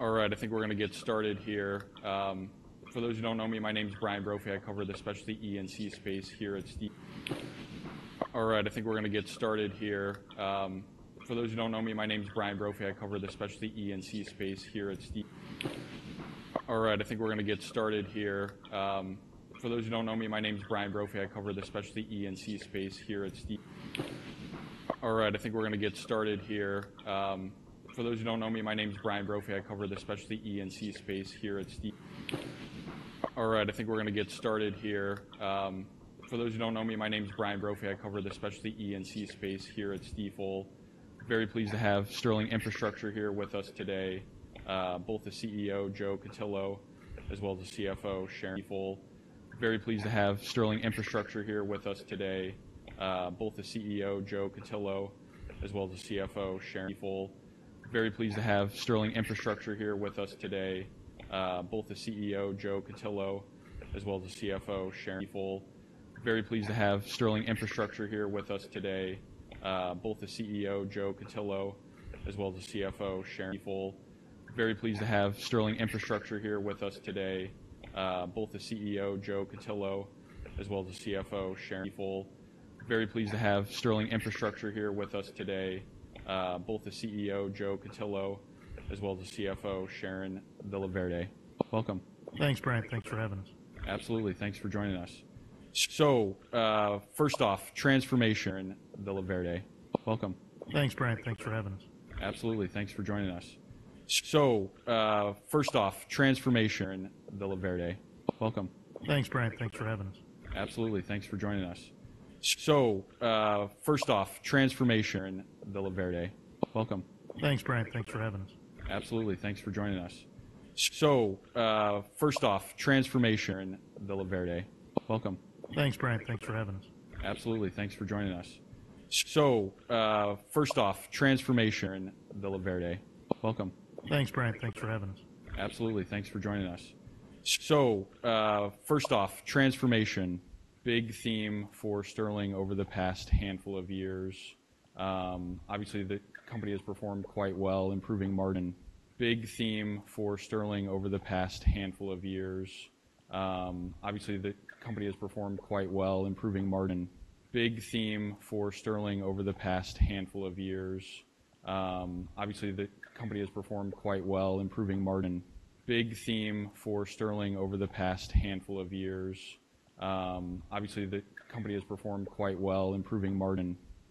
All right, I think we're going to get started here. For those who don't know me, my name's Brian Brophy. I cover the specialty E&C space here at Stifel. Very pleased to have Sterling Infrastructure here with us today, both the CEO, Joe Cutillo, as well as the CFO, Sharon Villaverde. Welcome. Thanks, Brian. Thanks for having us. Absolutely. Thanks for joining us. So, first off, Transformation,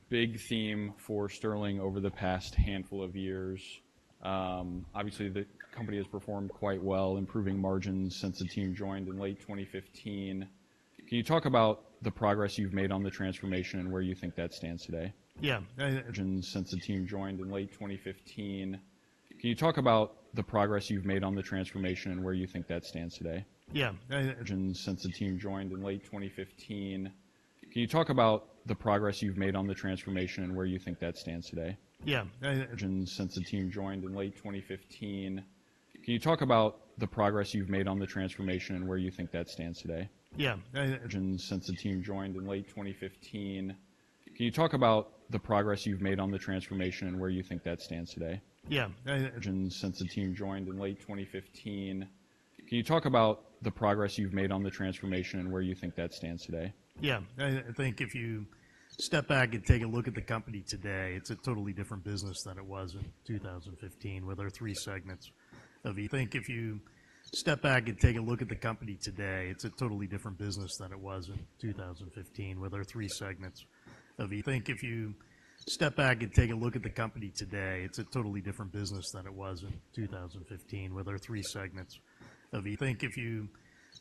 big theme for Sterling over the past handful of years. Obviously the company has performed quite well, improving margins since the team joined in late 2015. Can you talk about the progress you've made on the transformation and where you think that stands today? Think if you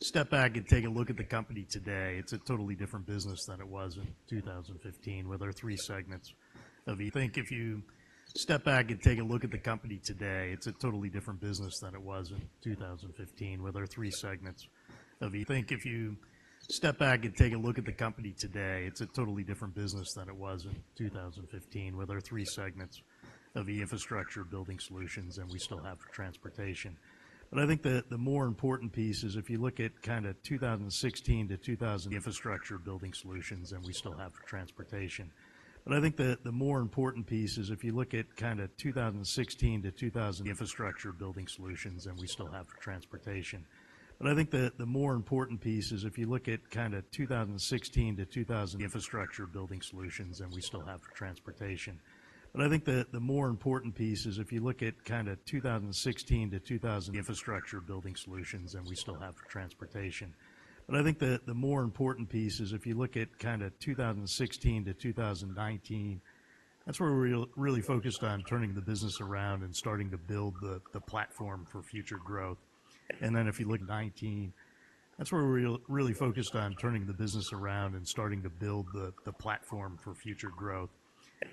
step back and take a look at the company today, it's a totally different business than it was in 2015 with our three segments of E-Infrastructure Building Solutions, and we still have transportation. But I think the more important piece is if you look at kind of 2016-2019, that's where we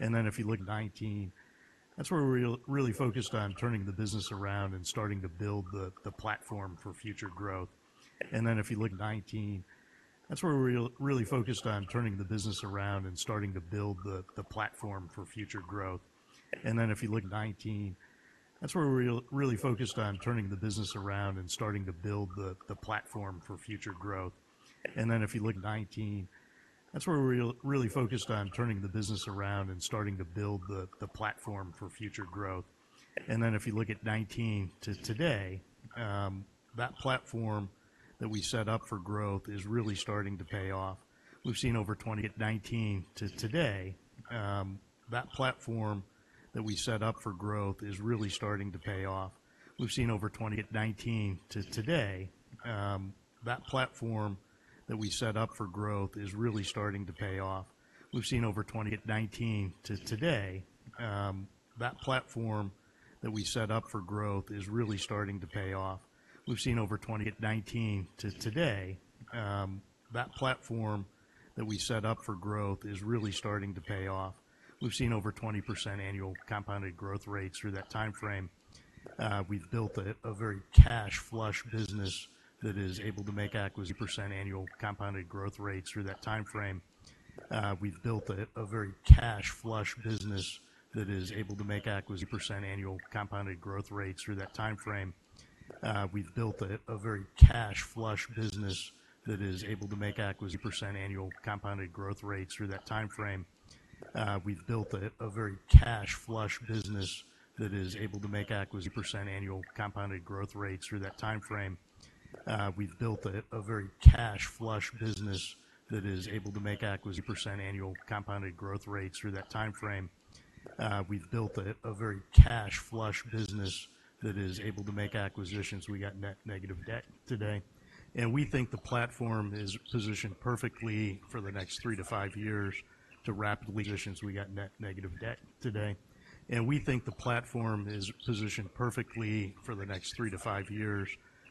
were really focused on turning the business around and starting to build the platform for future growth. And then if you look at 2019 to today, that platform that we set up for growth is really starting to pay off. We've seen over 20% annual compounded growth rates through that timeframe. We've built a very cash-flush business that is able to make acquisitions.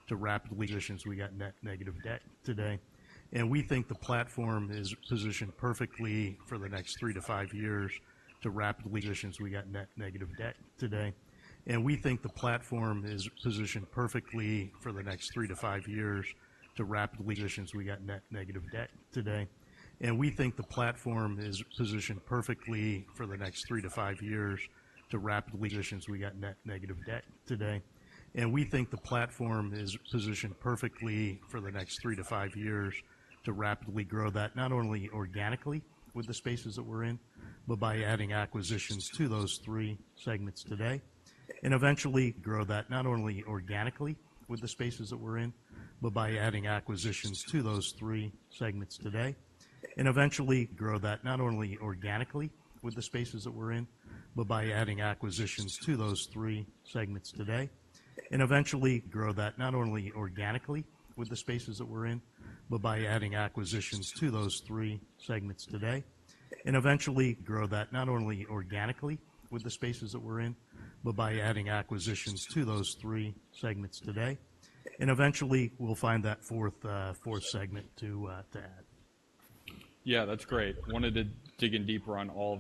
We got net negative debt today, and we think the platform is positioned perfectly for the next three to five years to rapidly grow that not only organically with the spaces that we're in, but by adding acquisitions to those three segments today, and eventually we'll find that fourth segment to add. Yeah, that's great. Wanted to dig in deeper on all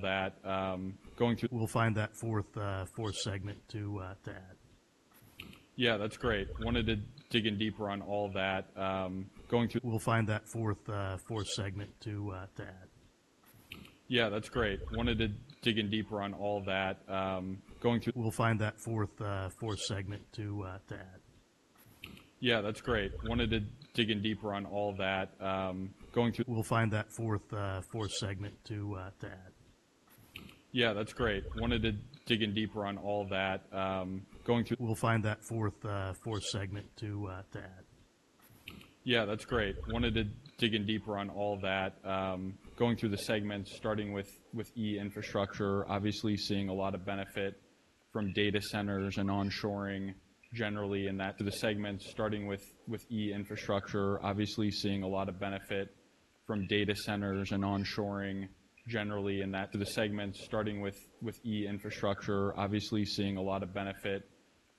that. Going through the segments, starting with E-Infrastructure, obviously seeing a lot of benefit from data centers and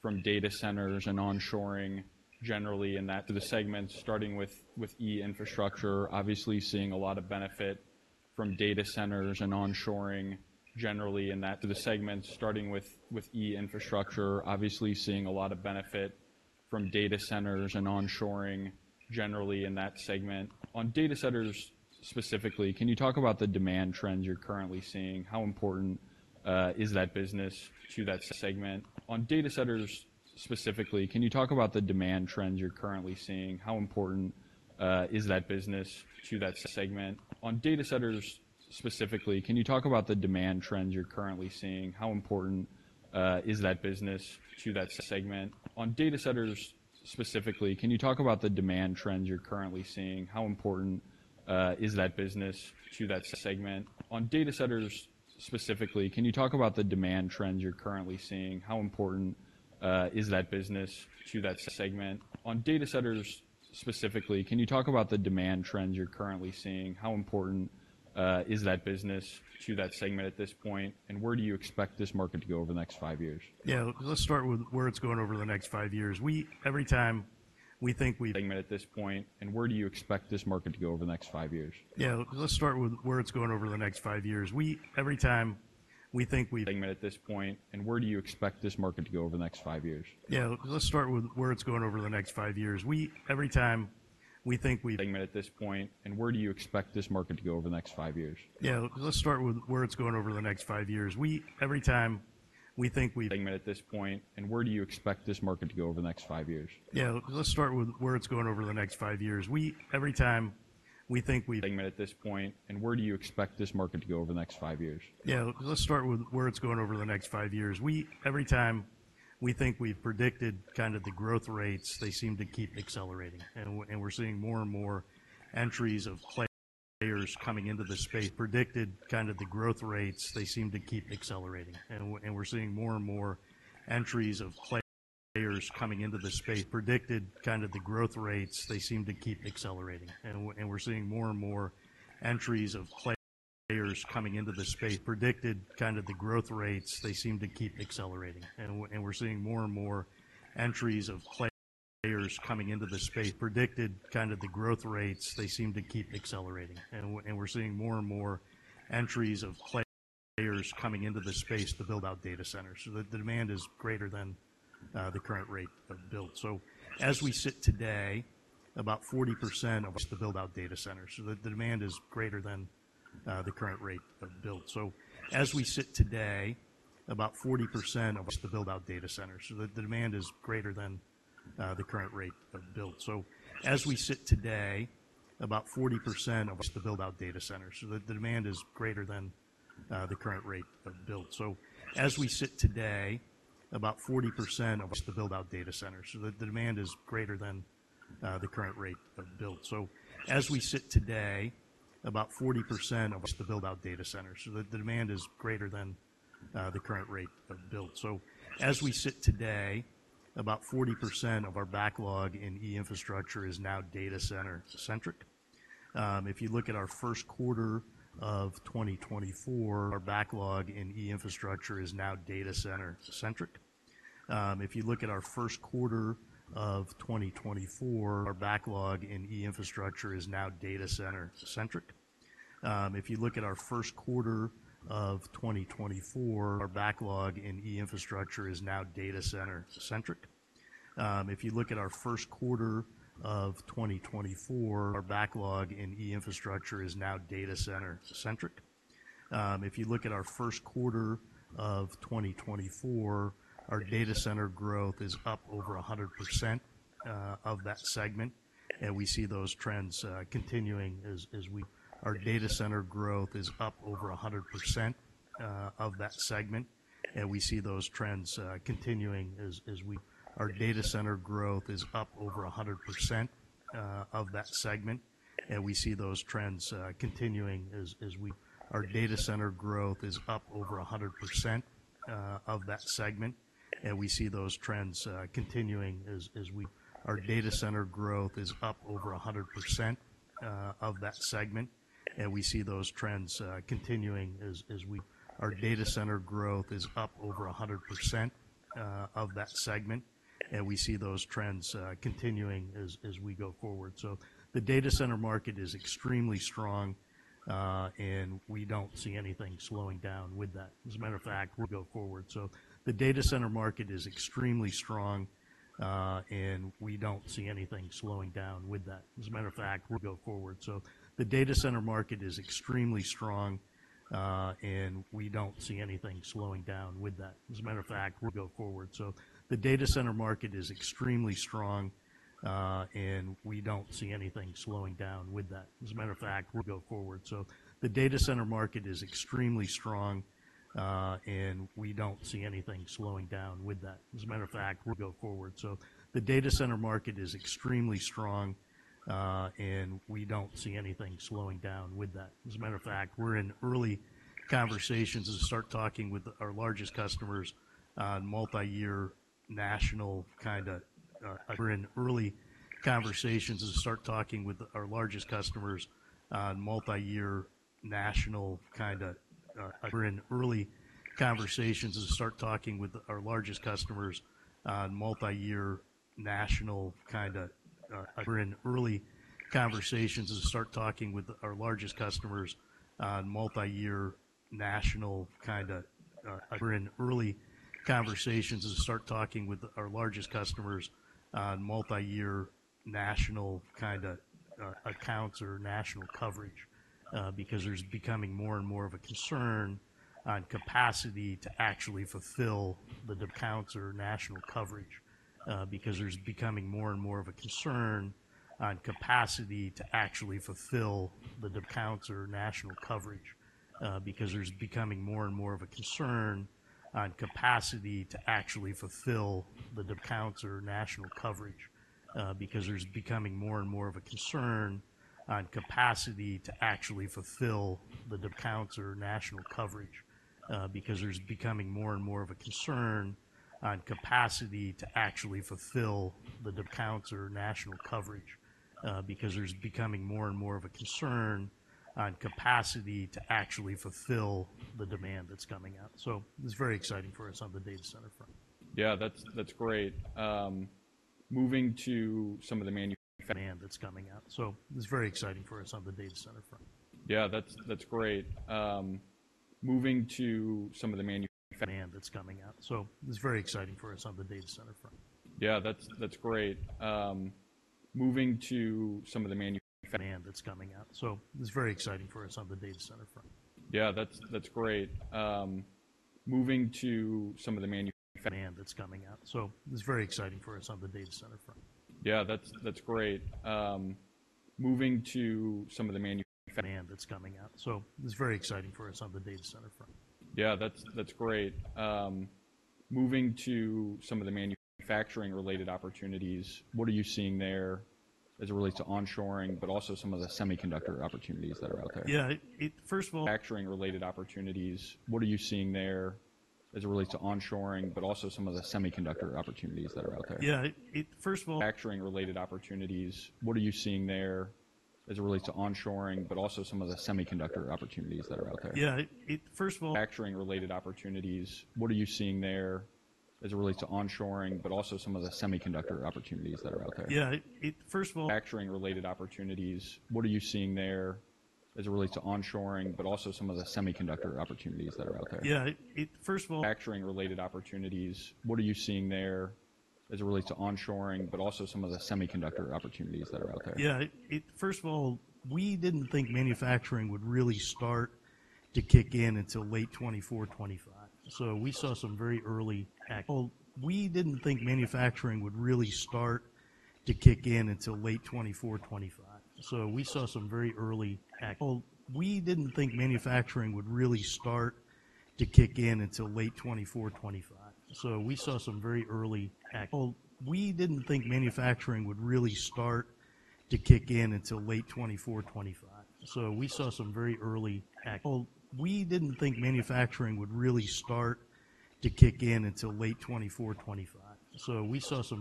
onshoring, generally in that segment. On data centers specifically, can you talk about the demand trends you're currently seeing? How important is that business to that segment at this point, and where do you expect this market to go over the next five years? Yeah, let's start with where it's going over the next five years. Every time we think we've predicted kind of the growth rates, they seem to keep accelerating, and we're seeing more and more entries of players coming into the space to build out data centers. The demand is greater than the current rate of build. As we sit today, about 40% of our backlog in E-Infrastructure is now data center-centric. If you look at our first quarter of 2024, our data center growth is up over 100% of that segment, and we see those trends continuing as we go forward. The data center market is extremely strong, and we don't see anything slowing down with that. As a matter of fact, we're in early conversations as we start talking with our largest customers on multi-year national kind of accounts or national coverage because there's becoming more and more of a concern on capacity to actually fulfill the demand that's coming out. It's very exciting for us on the data center front. Yeah, that's great. Moving to some of the manufacturing-related opportunities, what are you seeing there as it relates to onshoring, but also some of the semiconductor opportunities that are out there? Yeah, first of all, we didn't think manufacturing would really start to kick in until late 2025. We saw some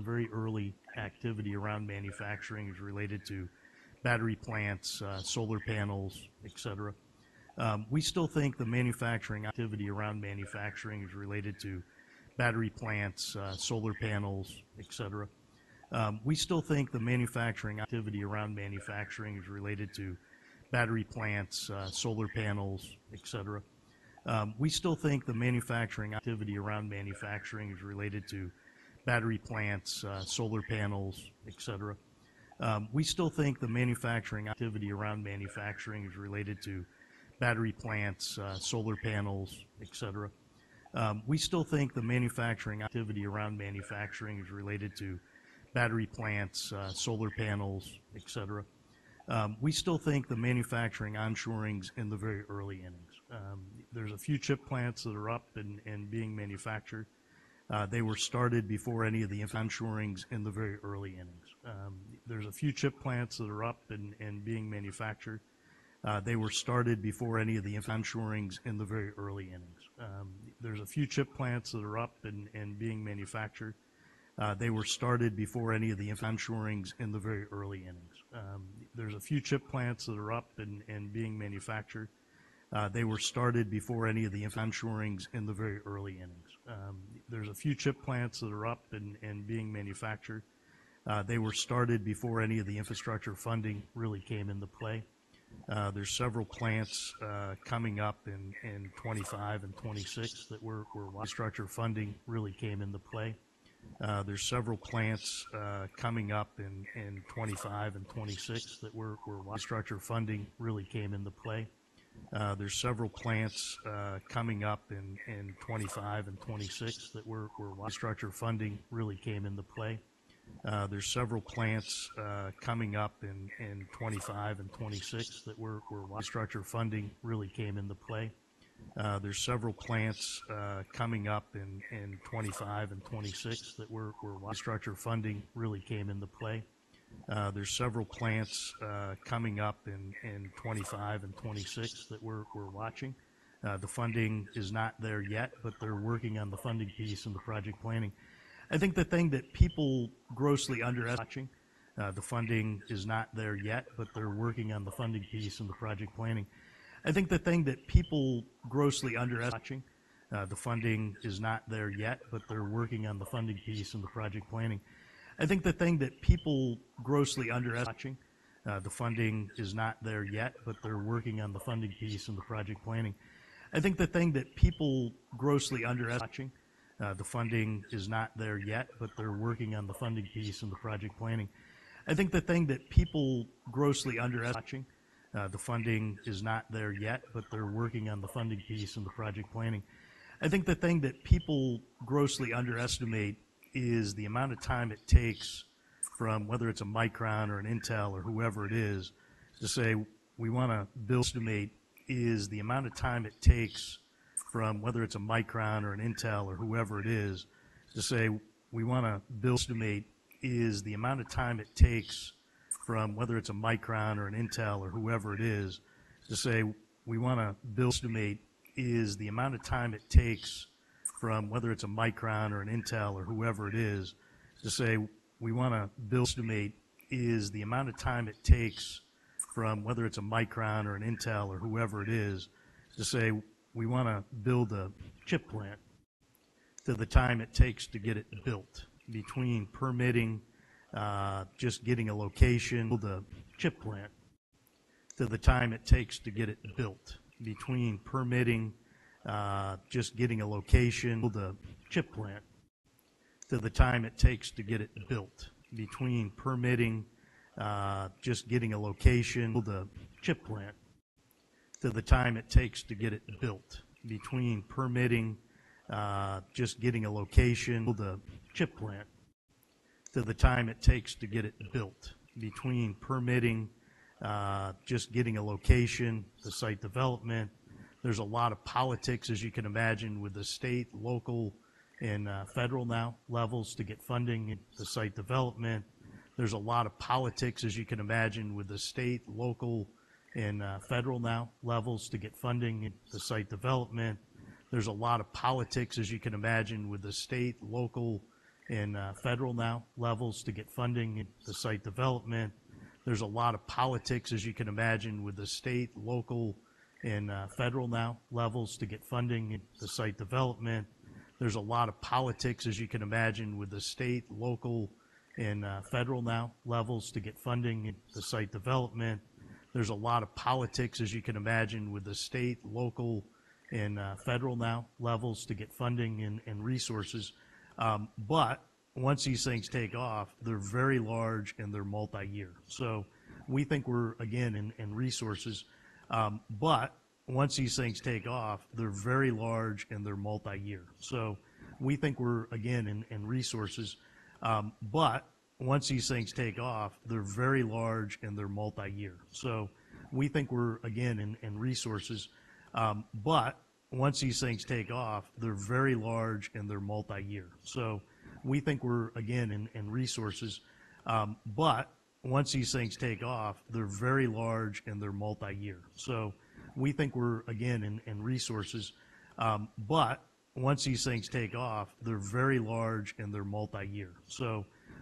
very early activity around manufacturing as related to battery plants, solar panels, etc. We still think the manufacturing onshoring's in the very early innings. There's a few chip plants that are up and being manufactured. They were started before any of the infrastructure funding really came into play. There's several plants coming up in 2025 and 2026 that we're watching. The funding is not there yet, but they're working on the funding piece and the project planning. I think the thing that people grossly underestimate is the amount of time it takes from whether it's a Micron or an Intel or whoever it is to say, "We want to build a chip plant." To the time it takes to get it built between permitting, just getting a location. To site development. There's a lot of politics, as you can imagine, with the state, local, and federal levels to get funding and resources. But once these things take off, they're very large and they're multi-year. We think we're, again,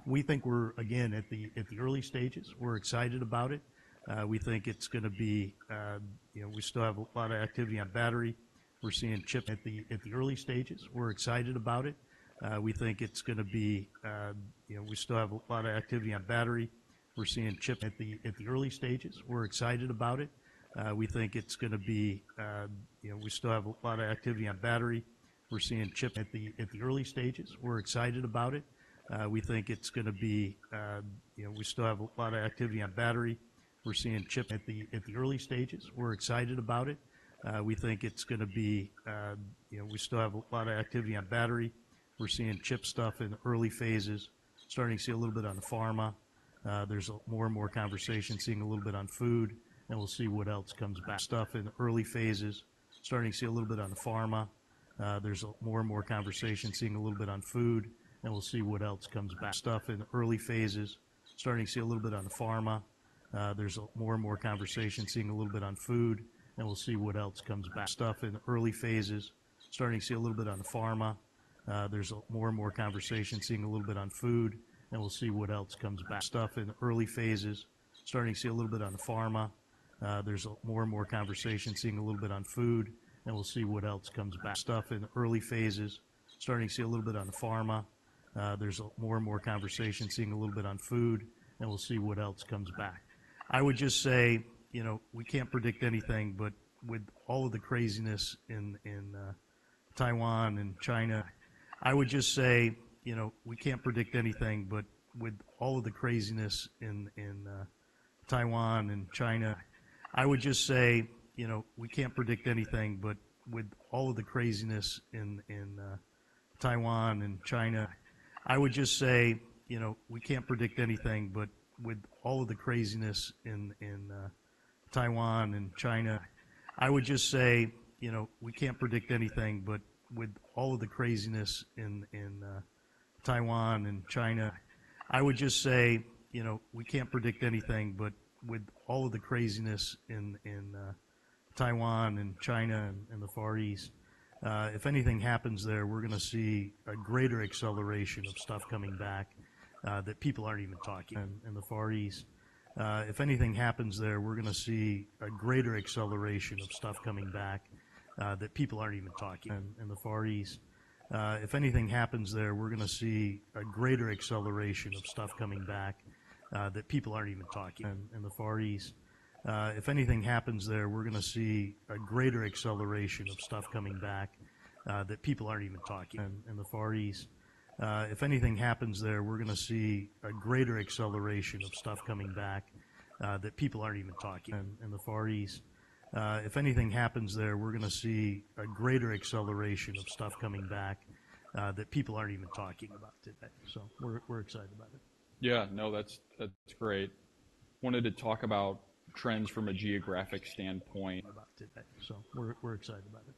at the early stages. We're excited about it. We think it's going to be we still have a lot of activity on battery. We're seeing chip stuff in early phases. Starting to see a little bit on pharma. There's more and more conversation seeing a little bit on food, and we'll see what else comes back. I would just say we can't predict anything, but with all of the craziness in Taiwan and China and the Far East, if anything happens there, we're going to see a greater acceleration of stuff coming back that people aren't even talking about today. We're excited about it.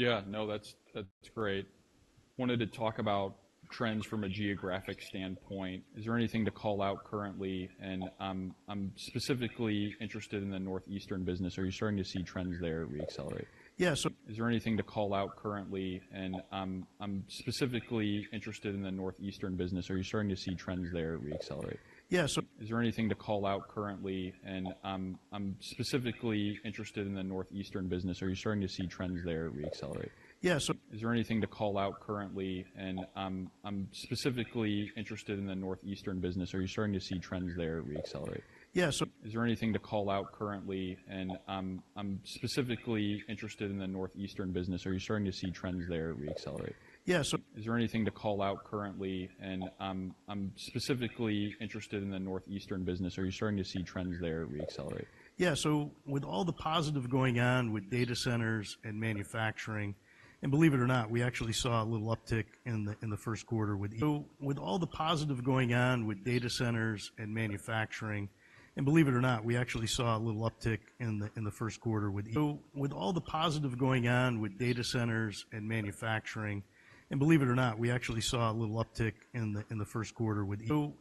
Yeah, no, that's great. Wanted to talk about trends from a geographic standpoint. Is there anything to call out currently? I'm specifically interested in the Northeast business. Are you starting to see trends there reaccelerate? Yeah. With all the positive going on with data centers and manufacturing, and believe it or not, we actually saw a little uptick in the first quarter with e-commerce.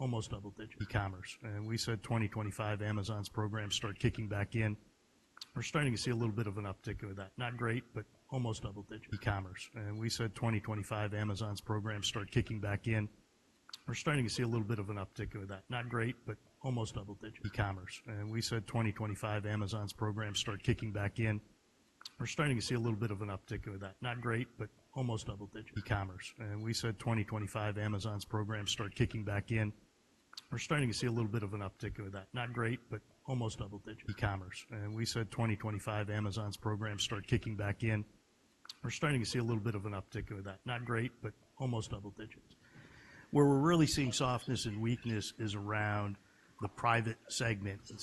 And we said 2025 Amazon's program start kicking back in. We're starting to see a little bit of an uptick with that. Not great, but almost double-digit. Where we're really seeing softness and weakness is around the private segments, and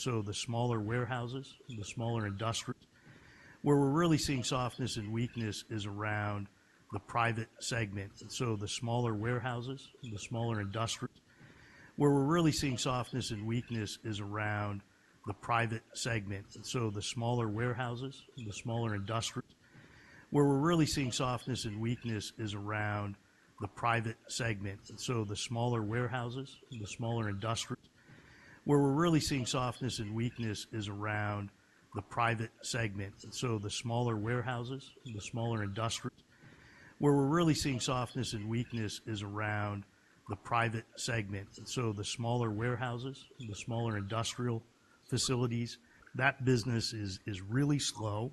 so the smaller warehouses, the smaller industrial facilities. That business is really slow.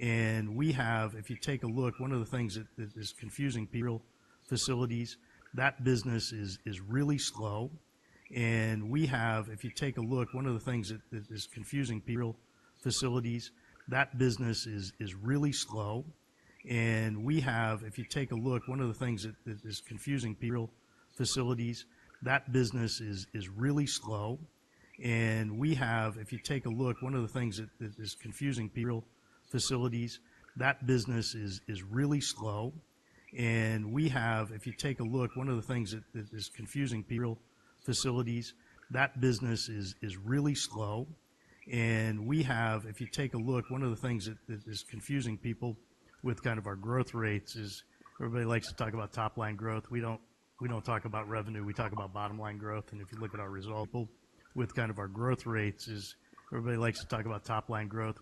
And we have, if you take a look, one of the things that is confusing people with kind of our growth rates is everybody likes to talk about top line growth.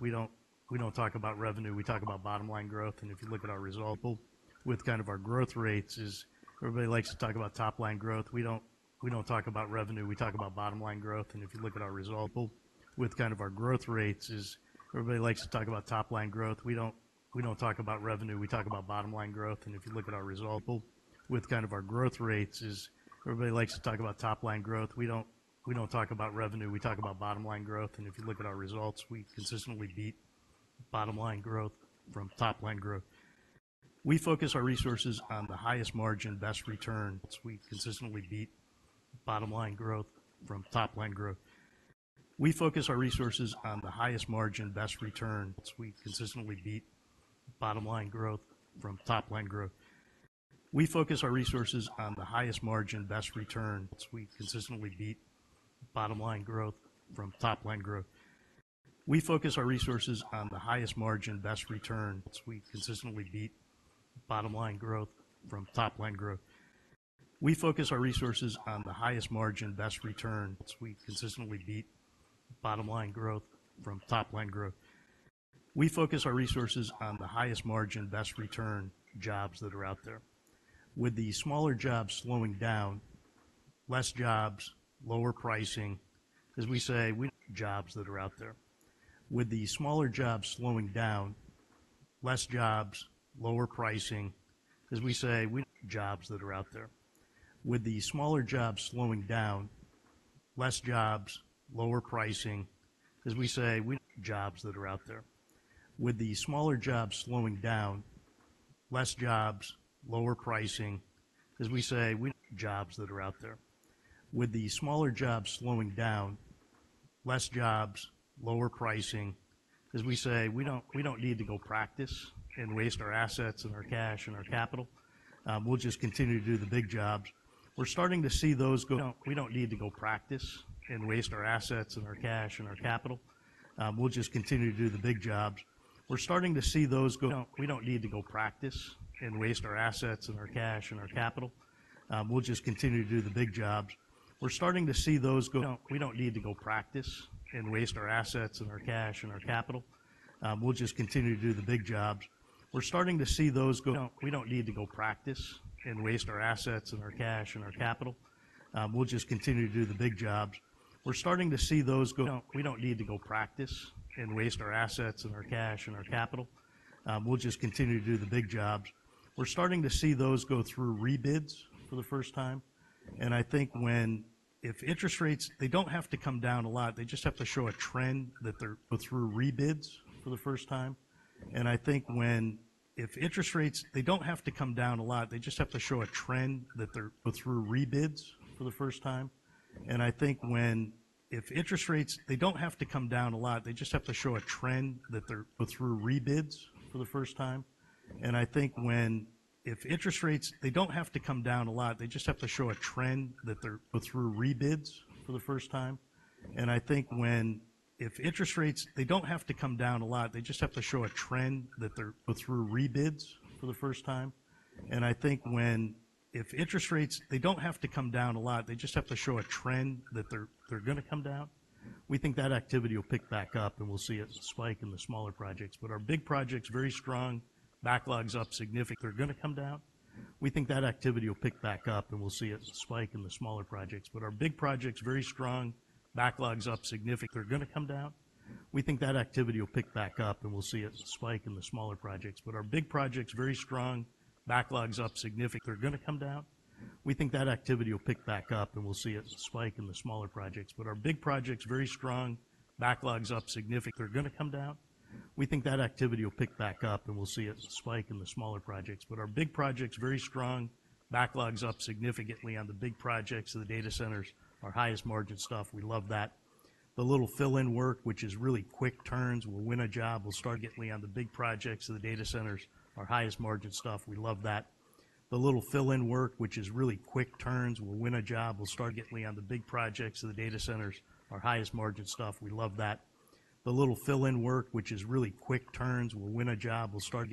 We don't talk about revenue. We talk about bottom line growth. And if you look at our results, we consistently beat bottom line growth from top line growth. We focus our resources on the highest margin, best return jobs that are out there. With the smaller jobs slowing down, less jobs, lower pricing, as we say, we don't need to go practice and waste our assets and our cash and our capital. We'll just continue to do the big jobs. We're starting to see those go through rebids for the first time. And I think when if interest rates, they don't have to come down a lot. They just have to show a trend that they're go through rebids for the first time. And I think when if interest rates, they don't have to come down a lot. They just have to show a trend that they're going to come down. We think that activity will pick back up, and we'll see it spike in the smaller projects. But our big projects, very strong, backlogs up significantly on the big projects of the data centers, our highest margin stuff. We love that. The little fill-in work, which is really quick turns, we'll win a job. We'll start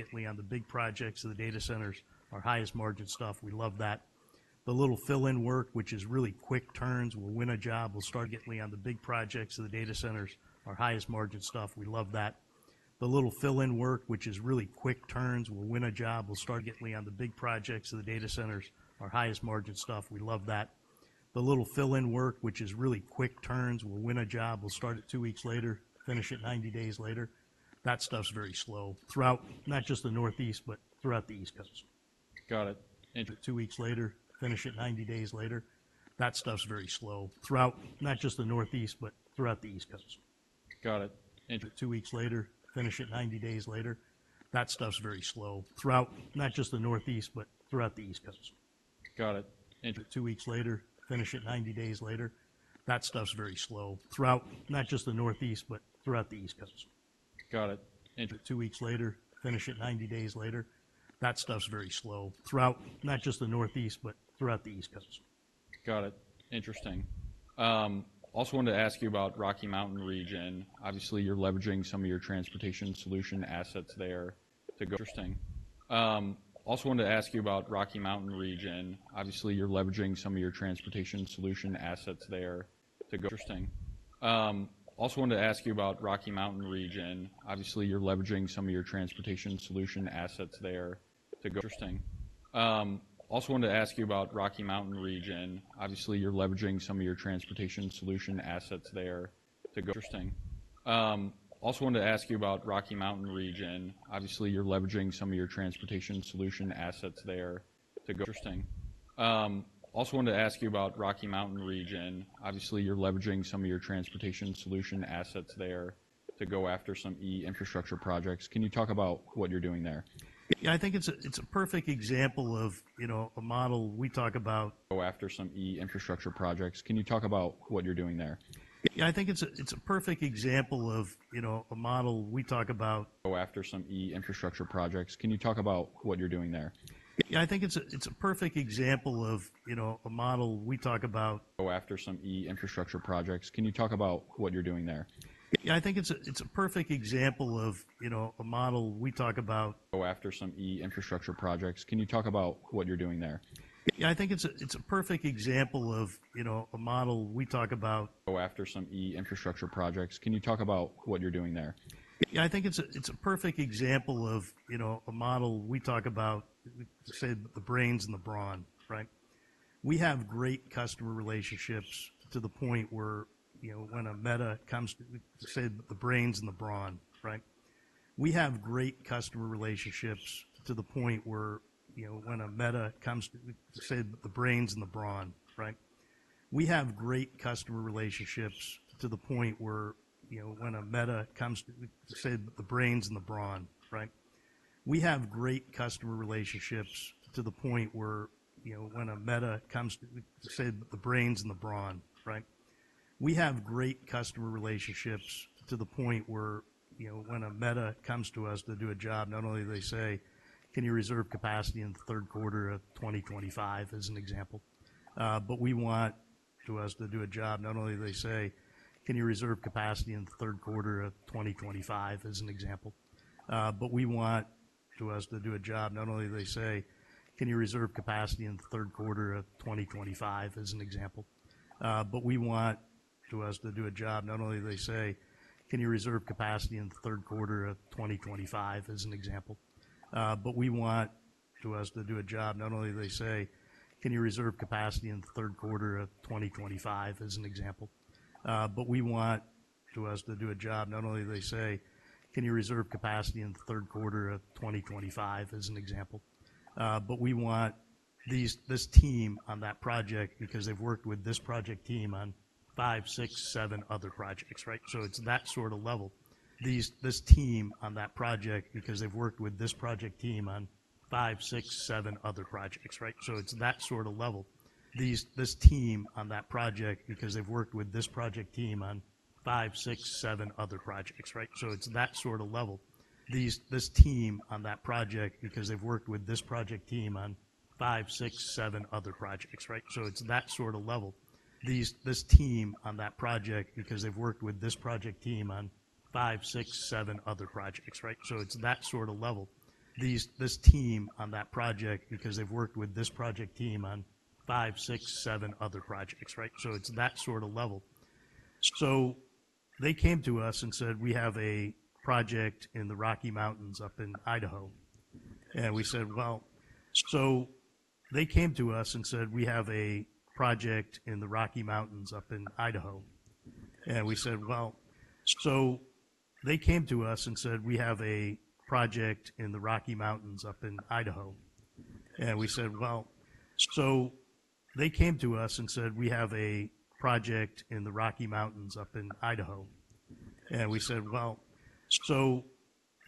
it two weeks later, finish it 90 days later. That stuff's very slow throughout not just the Northeast, but throughout the East Coast. Got it. Interesting. Also wanted to ask you about Rocky Mountain Region. Obviously, you're leveraging some of your Transportation Solutions assets there to go after some E-Infrastructure projects. Can you talk about what you're doing there? Yeah, I think it's a perfect example of a model we talk about, say, the brains and the brawn, right? We have great customer relationships to the point where when a Meta comes to us to do a job, not only do they say, "Can you reserve capacity in the third quarter of 2025?" as an example, but we want this team on that project because they've worked with this project team on five, six, seven other projects, right? So it's that sort of level. So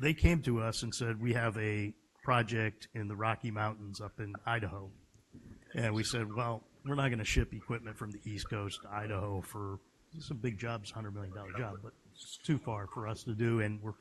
they came to us and said, "We have a project in the Rocky Mountains up in Idaho." And we said, "Well. We're not going to ship equipment from the East Coast to Idaho for this is a big job, $100 million job, but it's too far for us to do, and we're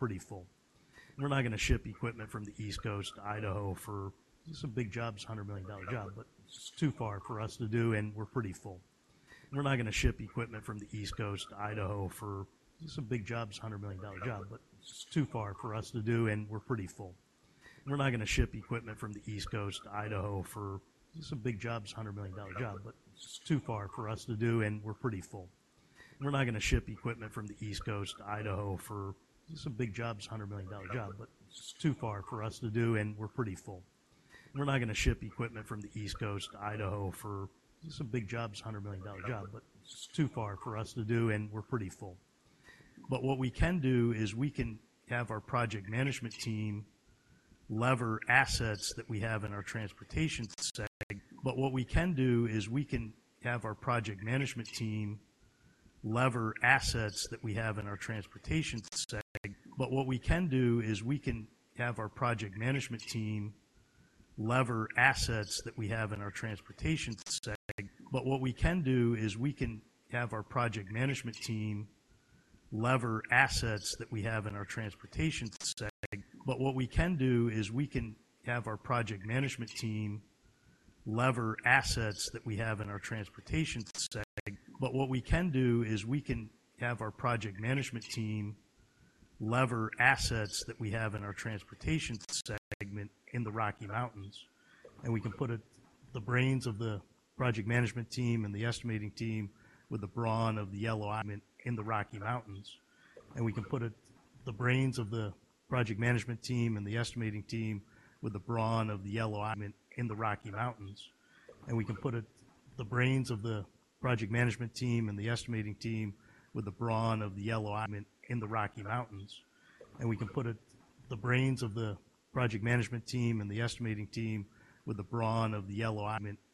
pretty full. But what we can do is we can have our project management team leverage assets that we have in our transportation segment in the Rocky Mountains. And we can put the brains of the project management team and the estimating team with the brawn of the Yellow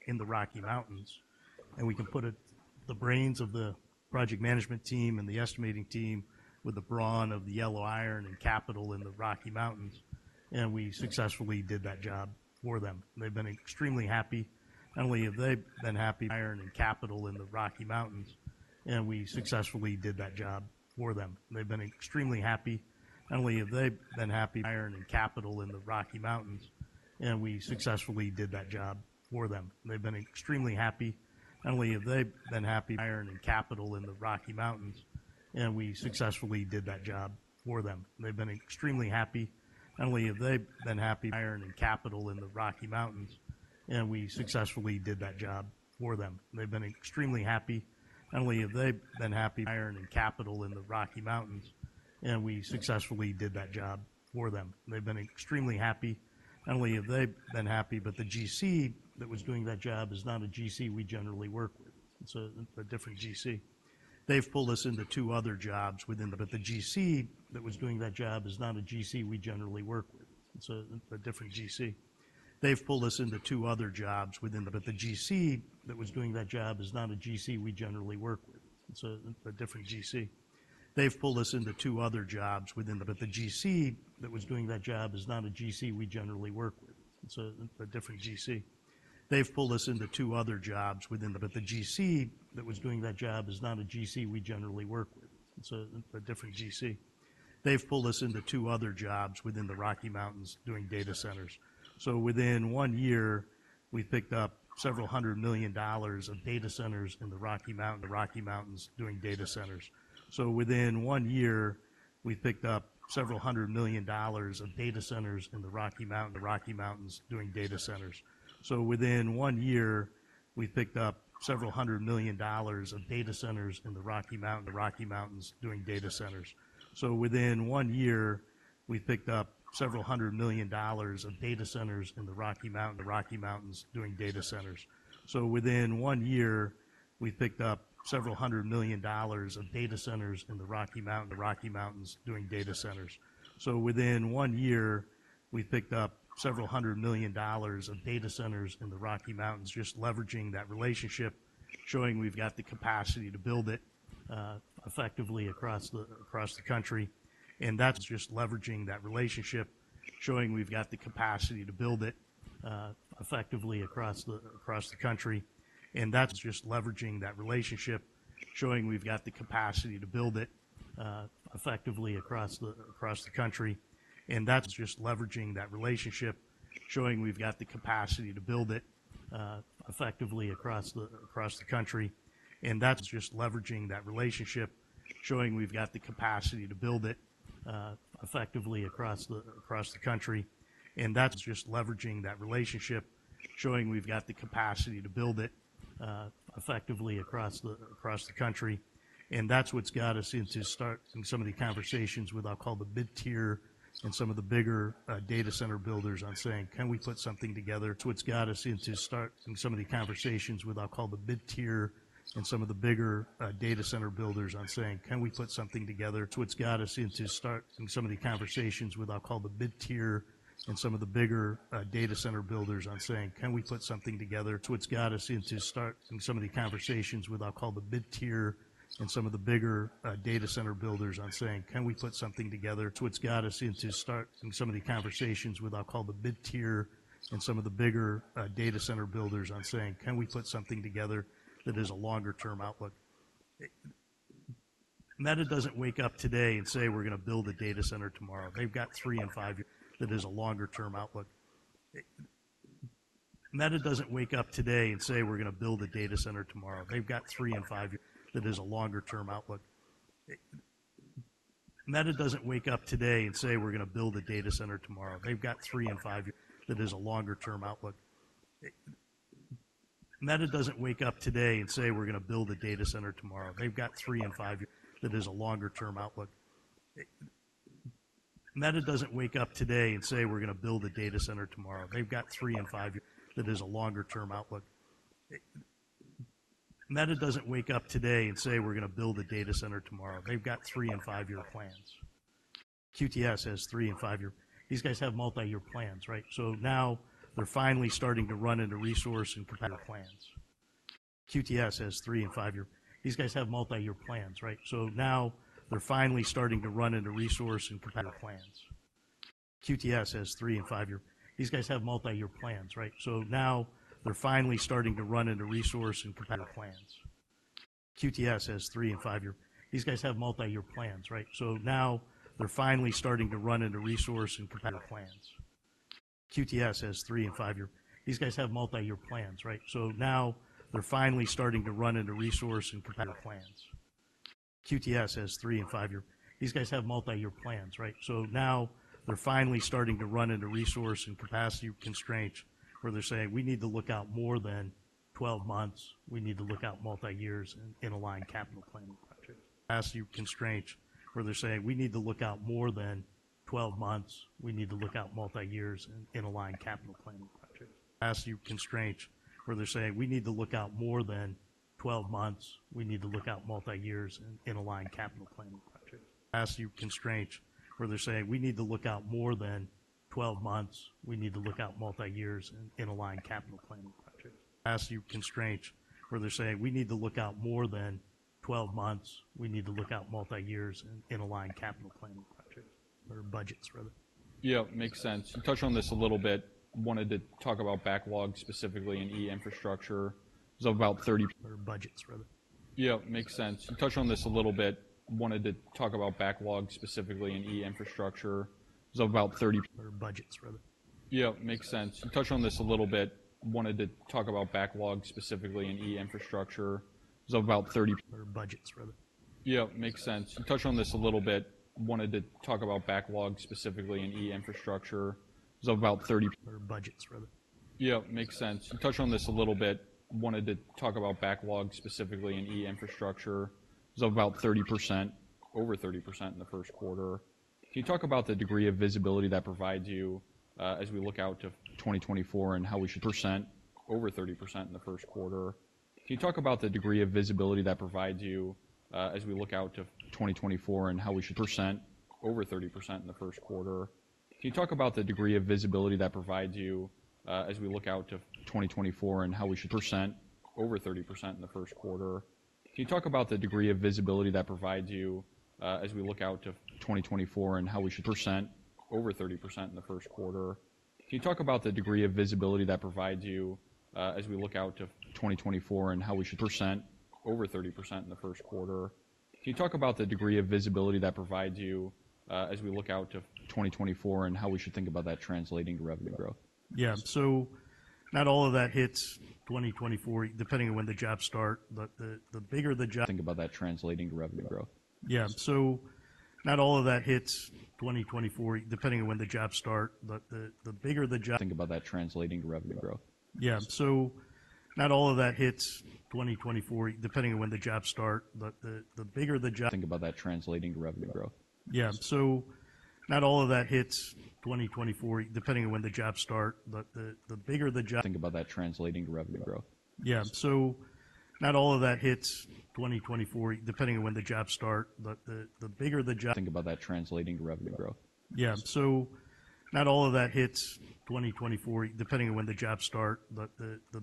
Iron in the Rocky Mountains." And we successfully did that job for them. They've been extremely happy. Not only have they been happy, but the GC that was doing that job is not a GC we generally work with. It's a different GC. They've pulled us into two other jobs within the Rocky Mountains doing data centers. So within one year, we picked up several hundred million dollars of data centers in the Rocky Mountains. Just leveraging that relationship, showing we've got the capacity to build it effectively across the country. And that's what's got us into starting some of the conversations with, I'll call, the mid-tier and some of the bigger data center builders on saying, "Can we put something together that is a longer-term outlook?" Meta doesn't wake up today and say, "We're going to build a data center tomorrow." They've got three- and five-year plans. QTS has three- and five-year. These guys have multi-year plans, right? So now they're finally starting to run into resource and capacity constraints where they're saying, "We need to look out more than 12 months. We need to look out multi-years in aligned capital planning projects." Or budgets, rather. Yeah, makes sense. You touched on this a little bit. I wanted to talk about backlog specifically in e-infrastructure. It was about 30%. Over 30% in the first quarter. Can you talk about the degree of visibility that provides you as we look out to 2024 and how we should think about that translating to revenue growth? Yeah, so not all of that hits 2024, depending on when the jobs start. The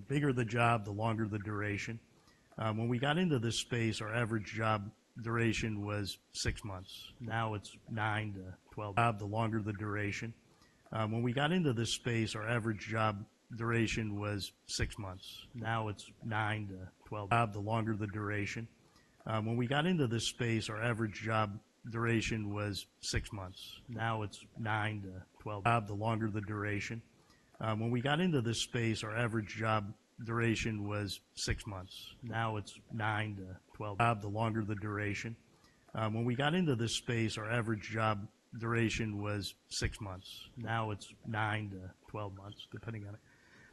bigger the job, the longer the duration. When we got into this space, our average job duration was six months. Now it's nine to 12 months, depending on it.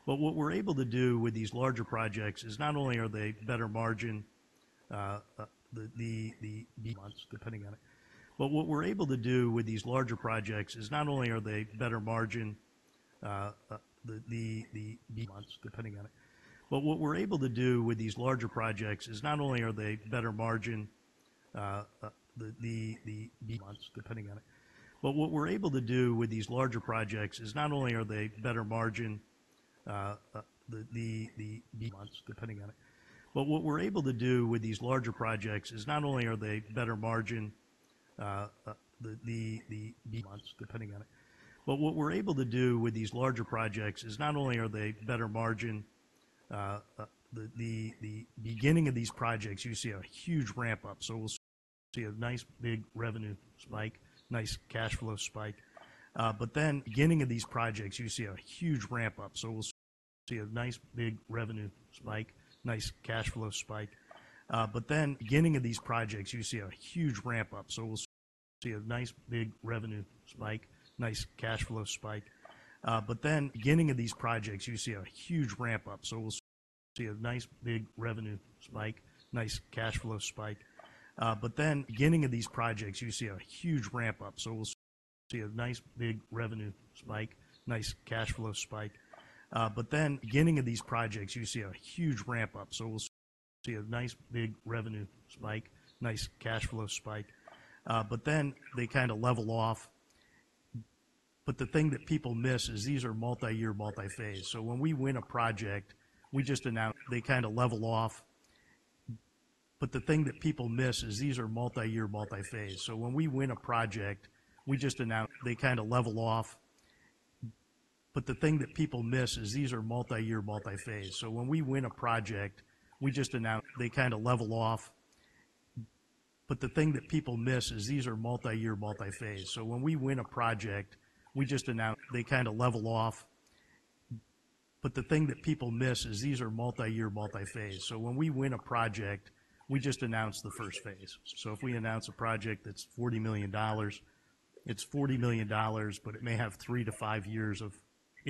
But what we're able to do with these larger projects is not only are they better margin. But then, beginning of these projects, you see a huge ramp-up, so we'll see a nice big revenue spike, nice cash flow spike. But then, they kind of level off. But the thing that people miss is these are multi-year, multi-phase. So when we win a project, we just announce they kind of level off. But the thing that people miss is these are multi-year, multi-phase. So when we win a project, we just announce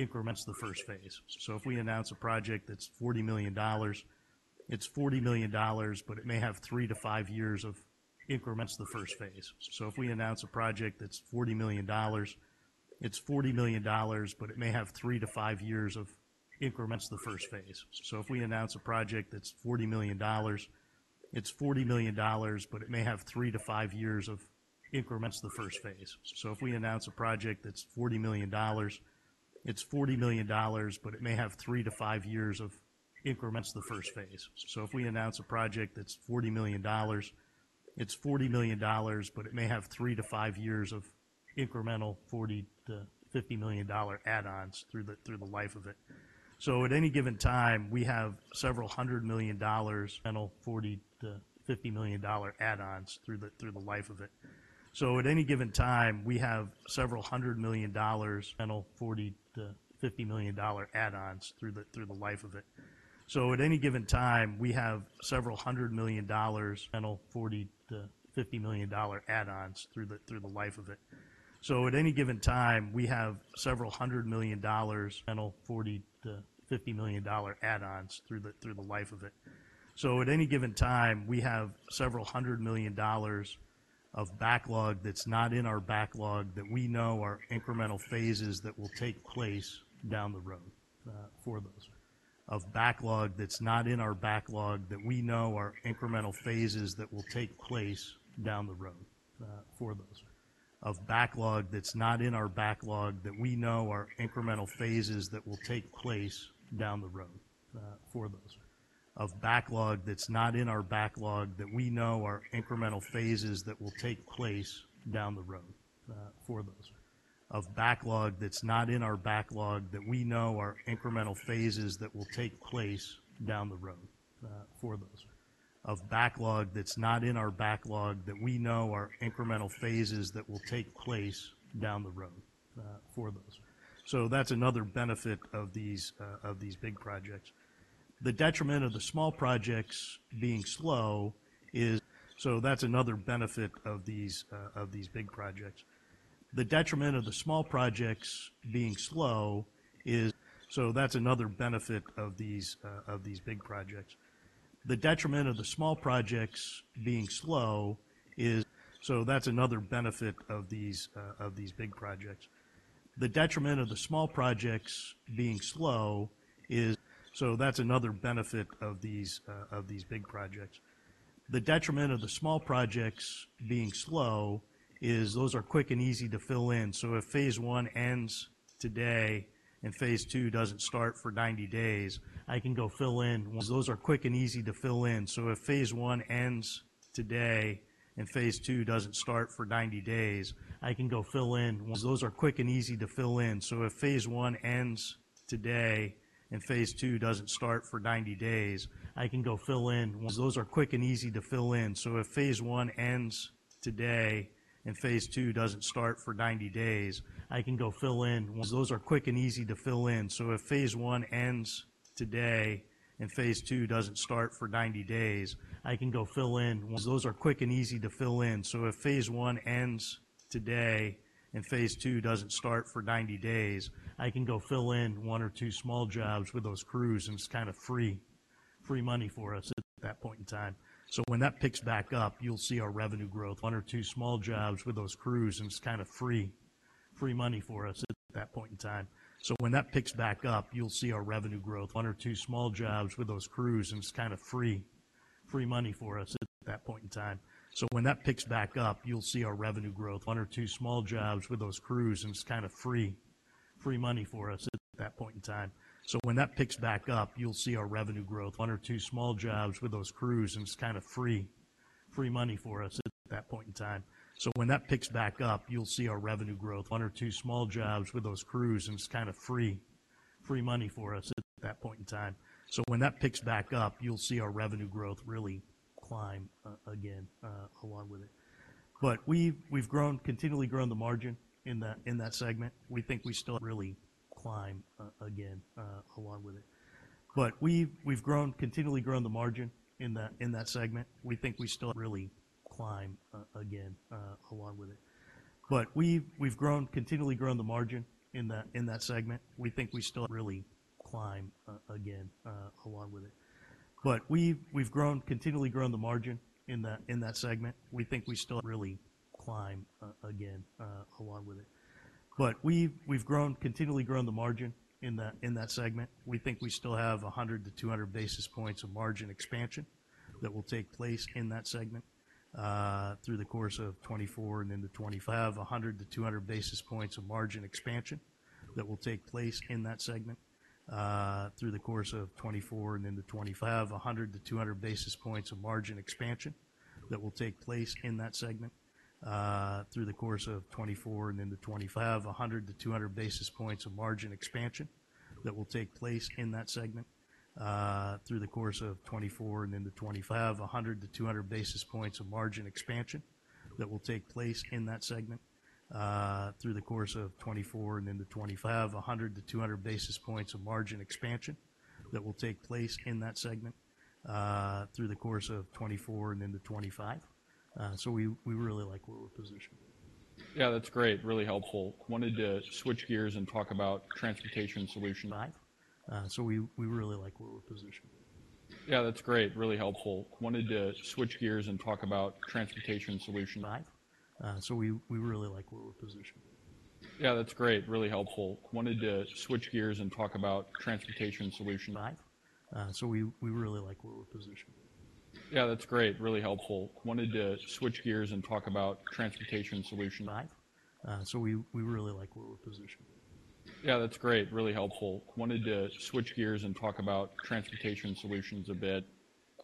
the first phase. So if we announce a project that's $40 million, it's $40 million, but it may have three to five years of incremental $40 million-$50 million add-ons through the life of it. So at any given time, we have several hundred million dollars of backlog that's not in our backlog that we know are incremental phases that will take place down the road for those. So that's another benefit of these big projects. The detriment of the small projects being slow is. Those are quick and easy to fill in. So if phase one ends today and phase two doesn't start for 90 days, I can go fill in one or two small jobs with those crews and it's kind of free money for us at that point in time. So when that picks back up, you'll see our revenue growth really climb again along with it. But we've continually grown the margin in that segment. We think we still have 100-200 basis points of margin expansion that will take place in that segment through the course of 2024 and into 2025. So we really like where we're positioned. Yeah, that's great. Really helpful. Wanted to switch gears and talk about Transportation Solutions a bit.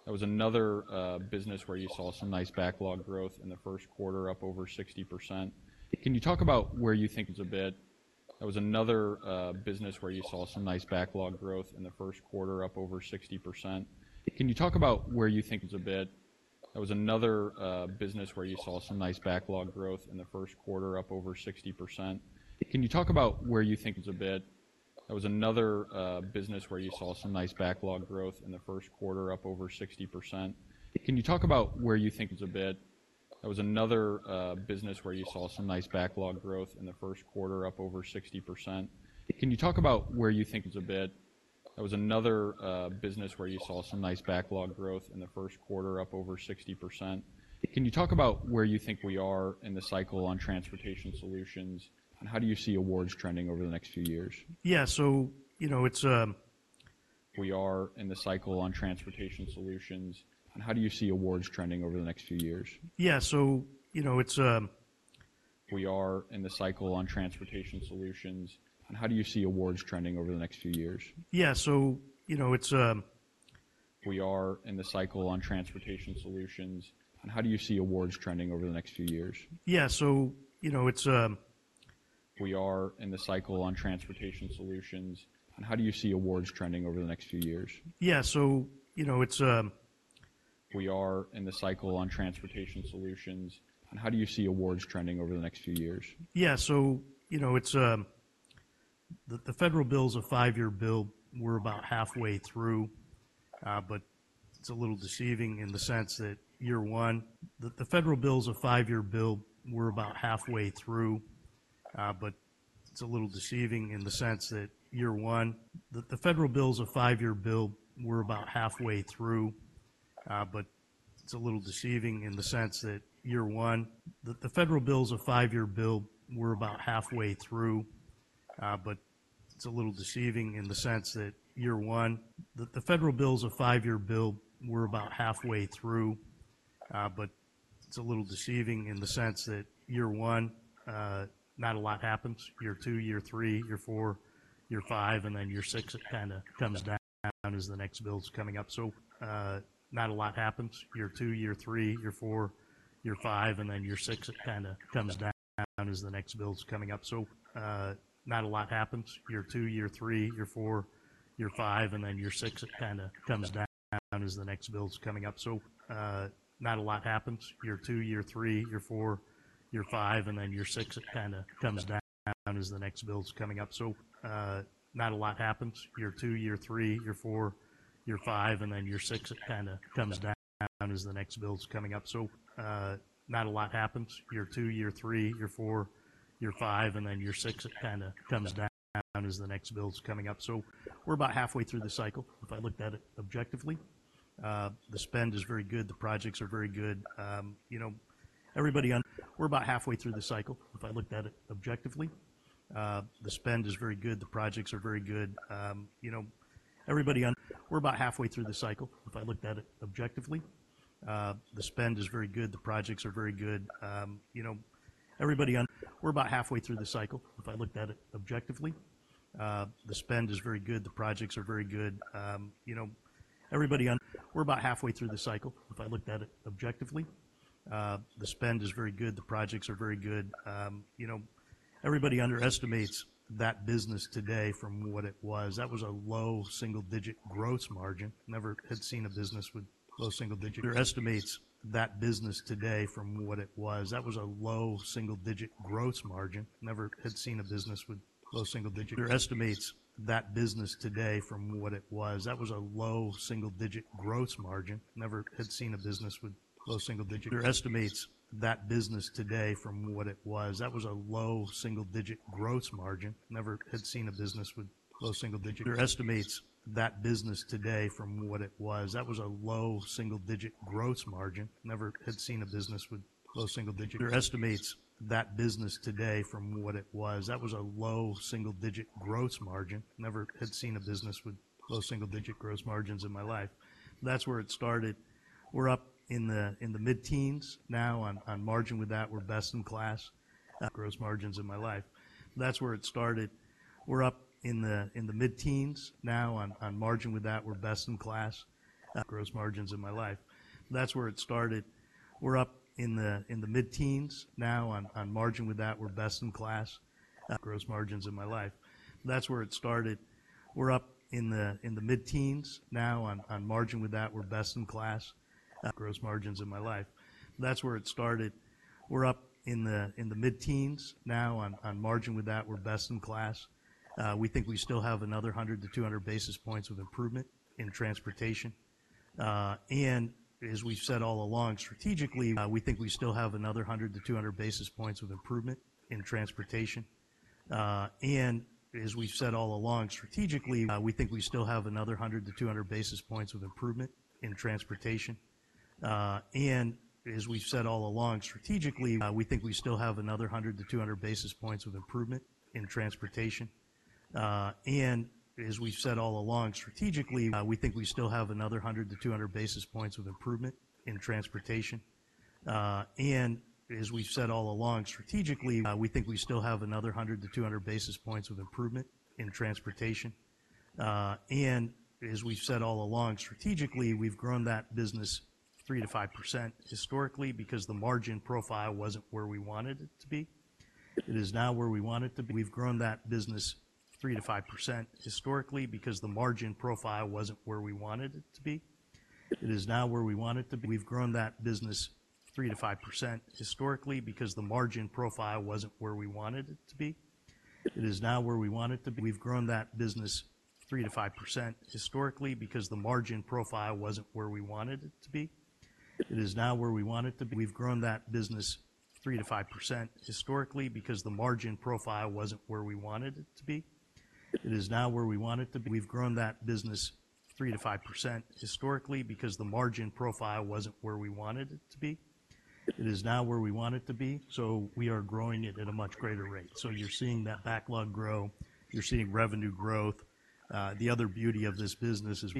That was another business where you saw some nice backlog growth in the first quarter, up over 60%. Can you talk about where you think we are in the cycle on Transportation Solutions, and how do you see awards trending over the next few years? Yeah, so it's. The federal bill, the five-year bill were about halfway through, but it's a little deceiving in the sense that year one. Not a lot happens. Year two, year three, year four, year five, and then year six, it kind of comes down as the next bill's coming up. So we're about halfway through the cycle, if I looked at it objectively. The spend is very good. The projects are very good. Everybody underestimates that business today from what it was. That was a low single-digit growth margin. Never had seen a business with low single-digit growth margins in my life. That's where it started. We're up in the mid-teens now. On margin with that, we're best in class. We think we still have another 100-200 basis points of improvement in transportation. As we've said all along, strategically, we've grown that business historically because the margin profile wasn't where we wanted it to be. It is now where we want it to be. So we are growing it at a much greater rate. So you're seeing that backlog grow. You're seeing revenue growth. The other beauty of this business is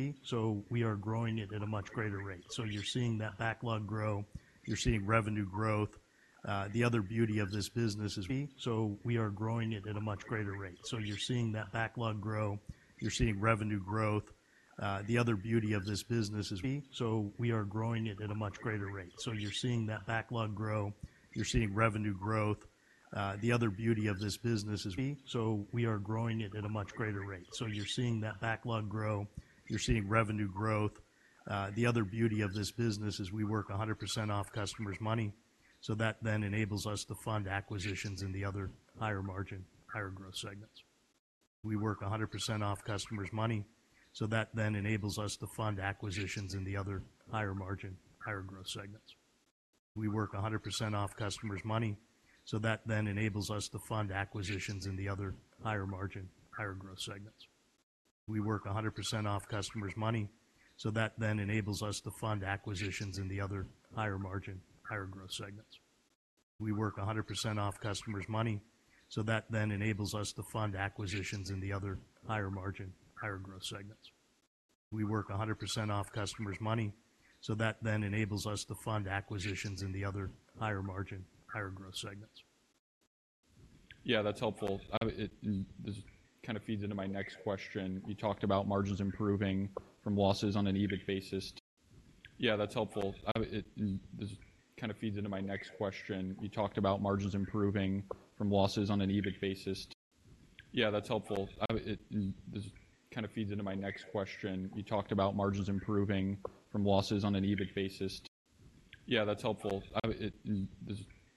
we work 100% off customers' money. So that then enables us to fund acquisitions in the other higher margin, higher growth segments. Yeah, that's helpful.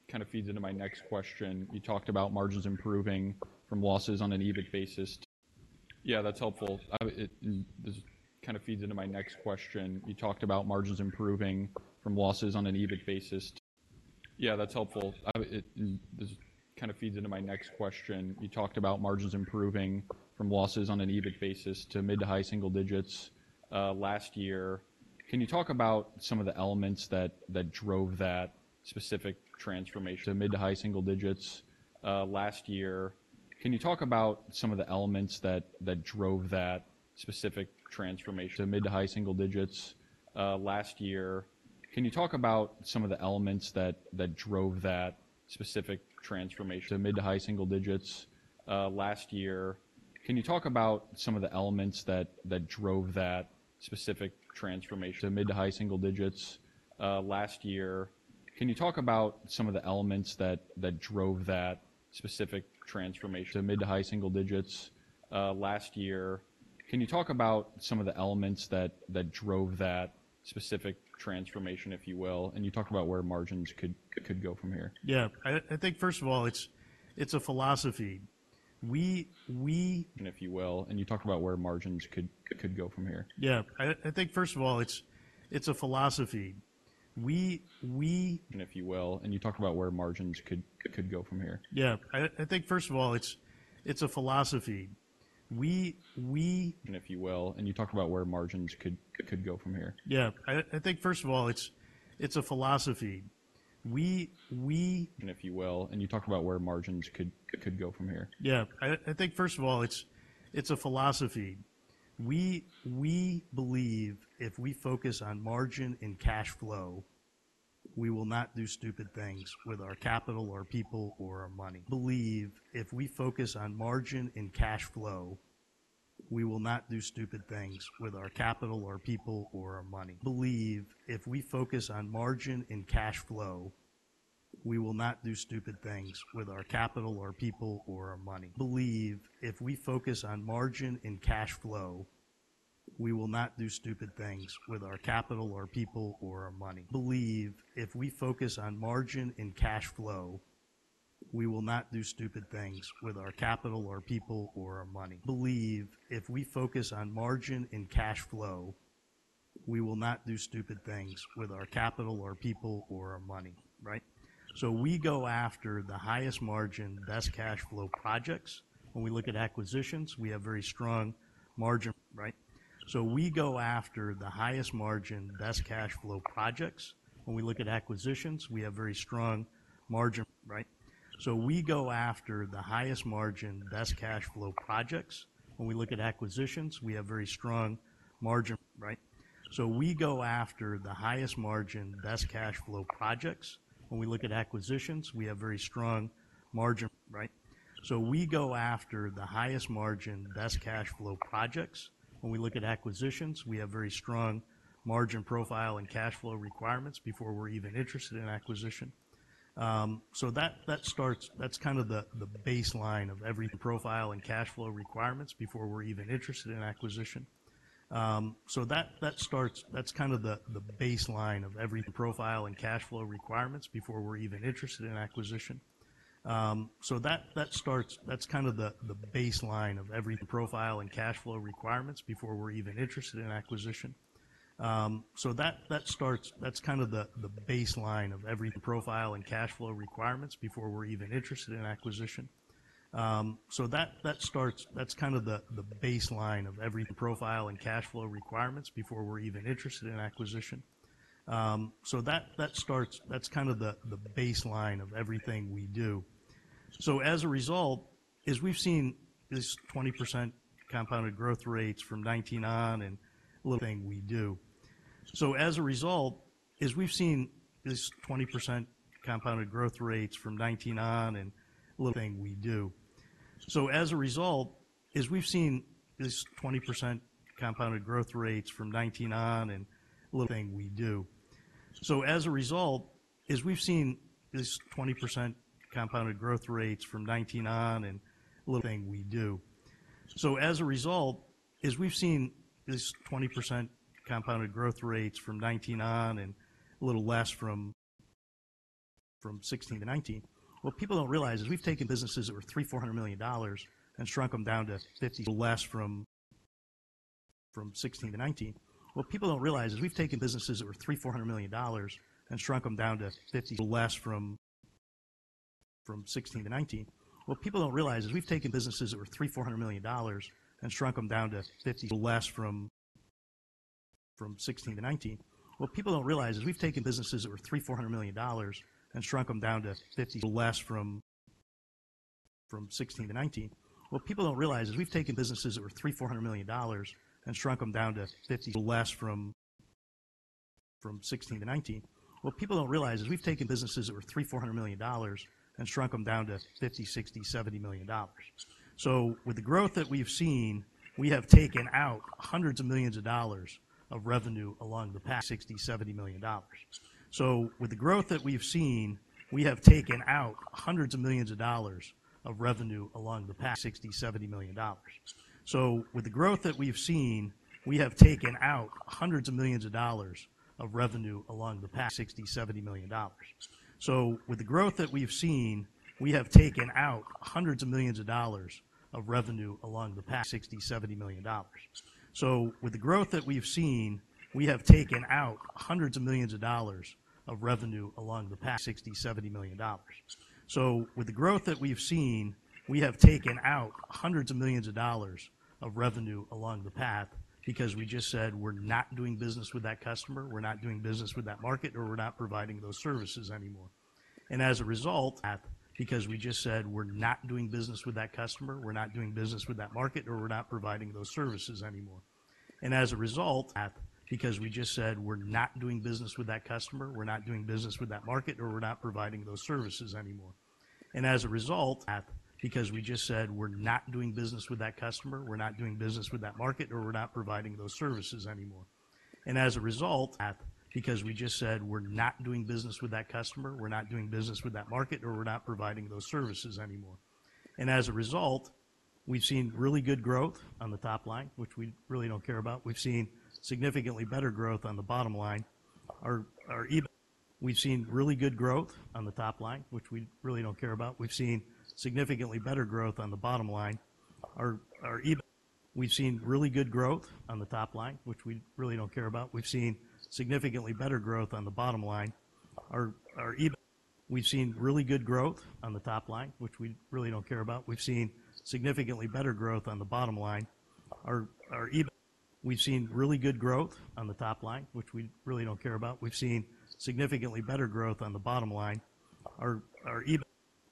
This kind of feeds into my next question. You talked about margins improving from losses on an EBIT basis to mid to high single digits last year. Can you talk about some of the elements that drove that specific transformation to mid to high single digits last year, if you will? And you talked about where margins could go from here. Yeah, I think, first of all, it's a philosophy. We believe, if we focus on margin and cash flow, we will not do stupid things with our capital or people or our money, right? So we go after the highest margin, best cash flow projects. When we look at acquisitions, we have very strong margin profile and cash flow requirements before we're even interested in acquisition. So that's kind of the baseline of everything: profile and cash flow requirements before we're even interested in acquisition. So that's kind of the baseline of everything we do. So as a result, as we've seen this 20% compounded growth rates from 2019 on and a little less from 2016-2019, what people don't realize is we've taken businesses that were $300 million, $400 million and shrunk them down to $50 million, $60million, $70 million. So with the growth that we've seen, we have taken out hundreds of millions of dollars of revenue along the path. Because we just said we're not doing business with that customer, we're not doing business with that market, or we're not providing those services anymore. And as a result,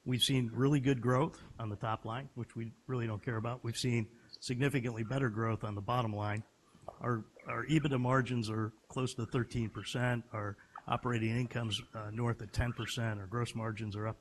we've seen really good growth on the top line, which we really don't care about. We've seen significantly better growth on the bottom line. Our EBITDA margins are close to 13%. Our operating incomes are north of 10%. Our gross margins are up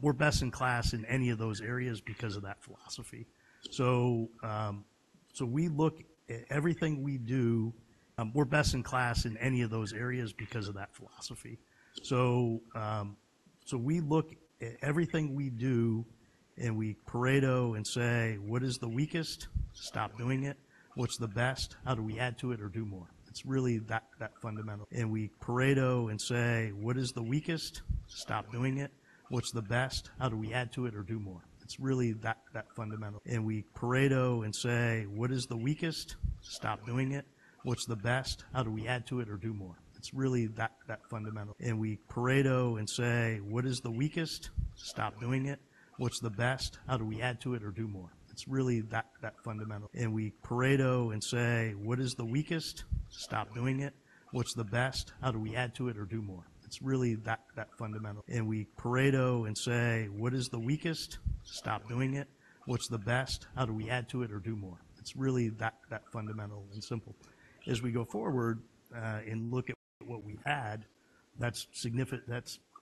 We're best in class in any of those areas because of that philosophy. So we look at everything we do, and we probe and say, "What is the weakest? Stop doing it. What's the best? How do we add to it or do more?" It's really that fundamental and simple. As we go forward and look at what we had, that's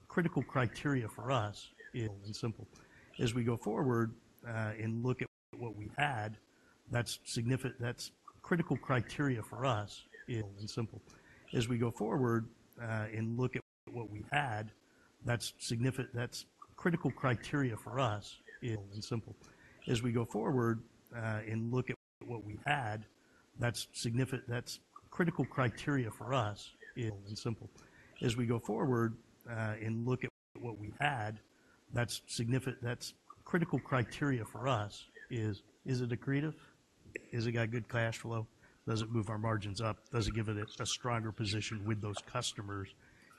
critical criteria for us is, is it accretive?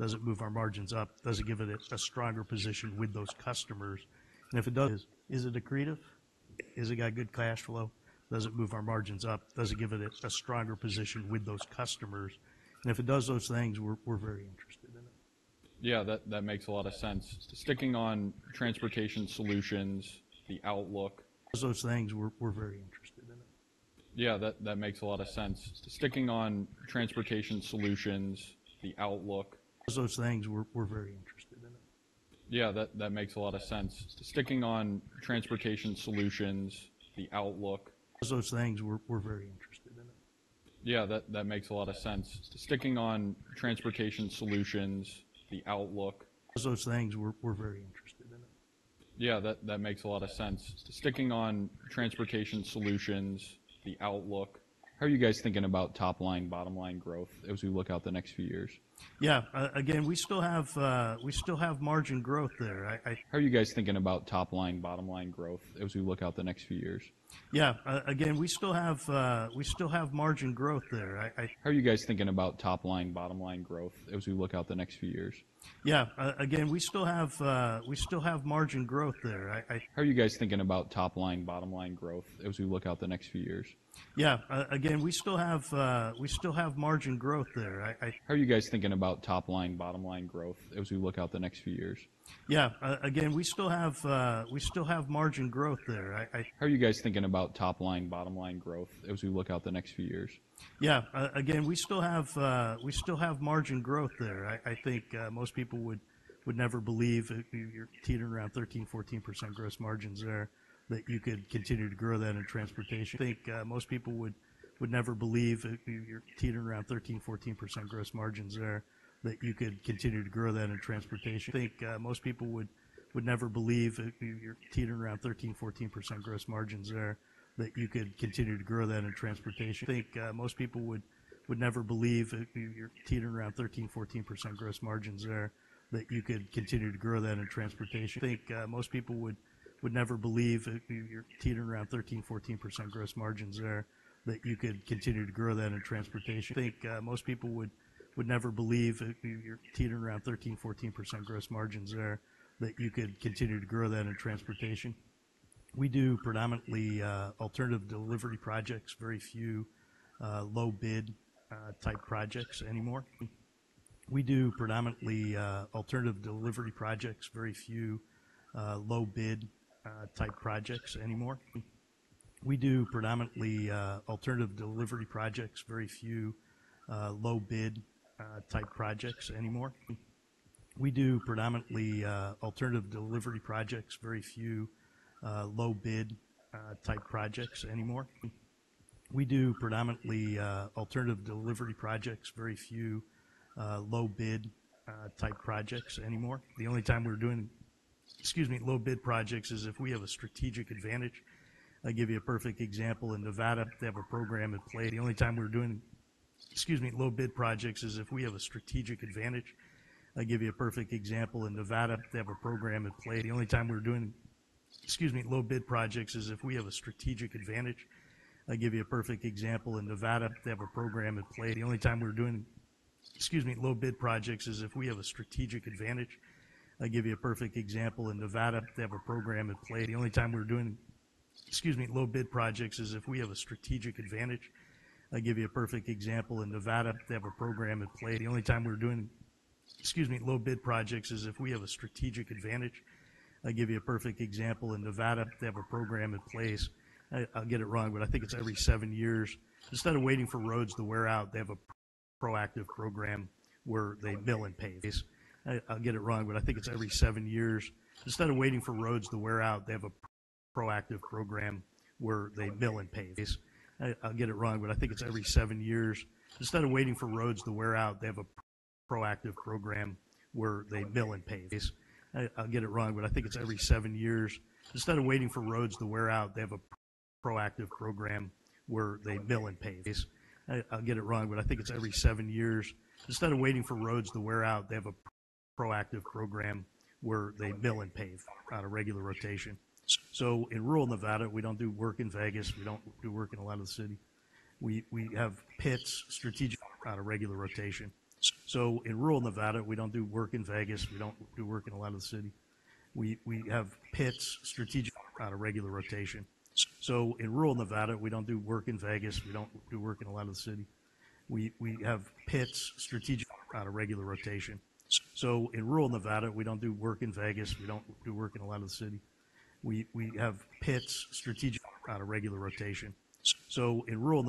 Is it got good cash flow? Does it move our margins up? Does it give it a stronger position with those customers? And if it does those things, we're very interested in it. Yeah, that makes a lot of sense. Sticking on Transportation Solutions, the outlook. How are you guys thinking about top line, bottom line growth as we look out the next few years? Yeah, again, we still have margin growth there. I think most people would never believe if you're teetering around 13%-14% gross margins there, that you could continue to grow that in transportation. We do predominantly alternative delivery projects, very few low bid type projects anymore. The only time we're doing, excuse me, low bid projects is if we have a strategic advantage. I'll give you a perfect example. In Nevada, they have a program in place. I'll get it wrong, but I think it's every seven years. Instead of waiting for roads to wear out, they have a proactive program where they mill and pave on a regular rotation. So in rural Nevada, we don't do work in Vegas. We don't do work in a lot of the city. We have pits, strategically located throughout rural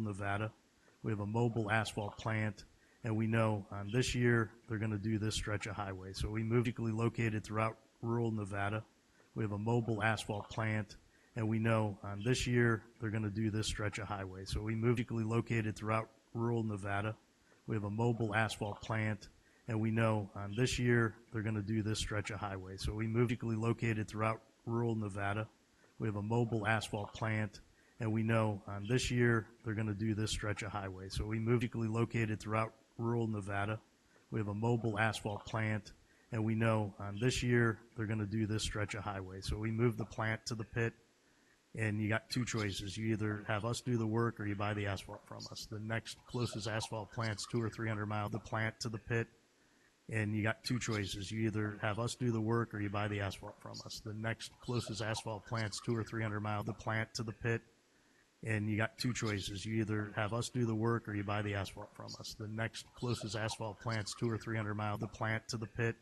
Nevada. We have a mobile asphalt plant, and we know this year they're going to do this stretch of highway. So we moved the plant to the pit,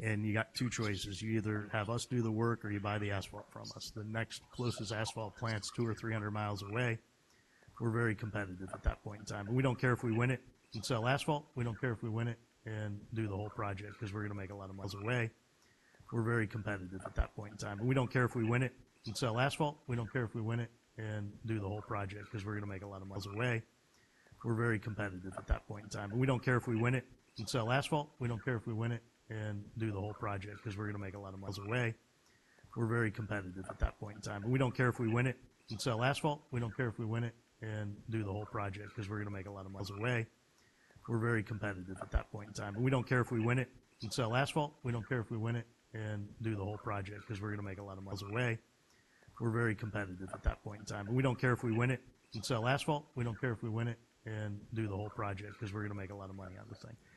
and you got two choices. You either have us do the work or you buy the asphalt from us. The next closest asphalt plant's 200 or 300 miles away. We're very competitive at that point in time, and we don't care if we win it and do the whole project because we're going to make a lot of money on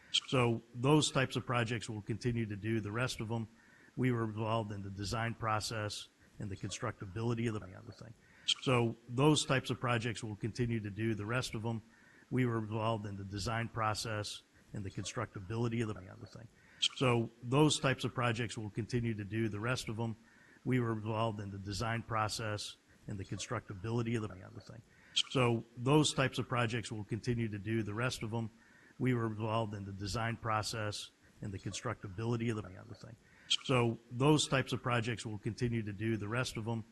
the thing. So those types of projects will continue to do the rest of them.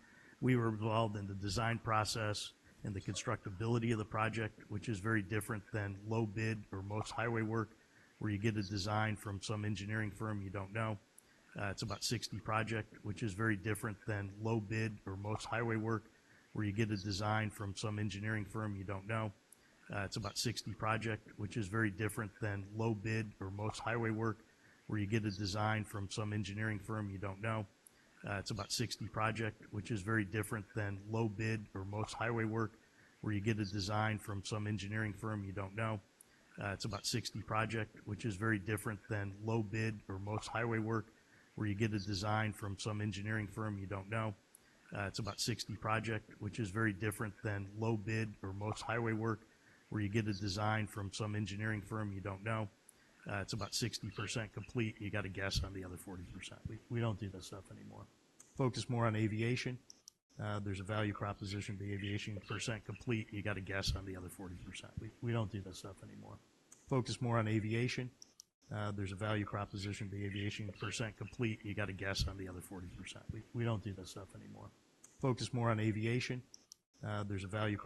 We were involved in the design process and the constructability of the project, which is very different than low bid or most highway work, where you get a design from some engineering firm you don't know. It's about 60% complete. You got to guess on the other 40%. We don't do this stuff anymore. Focus more on aviation. There's a value proposition to aviation customers,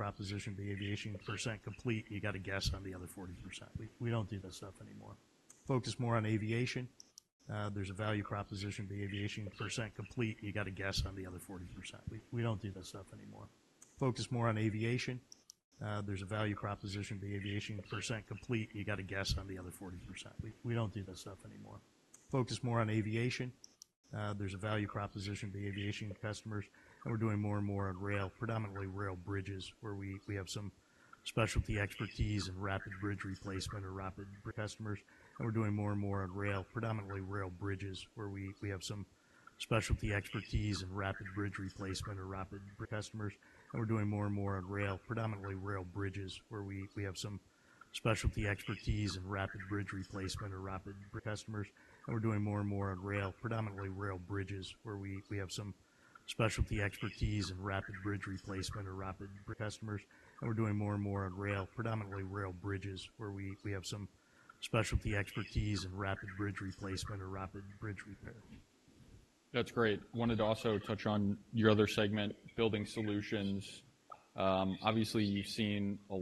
and we're doing more and more on rail, predominantly rail bridges, where we have some specialty expertise in rapid bridge replacement or rapid bridge repair. That's great. Wanted to also touch on your other segment, Building Solutions. Obviously, you've seen a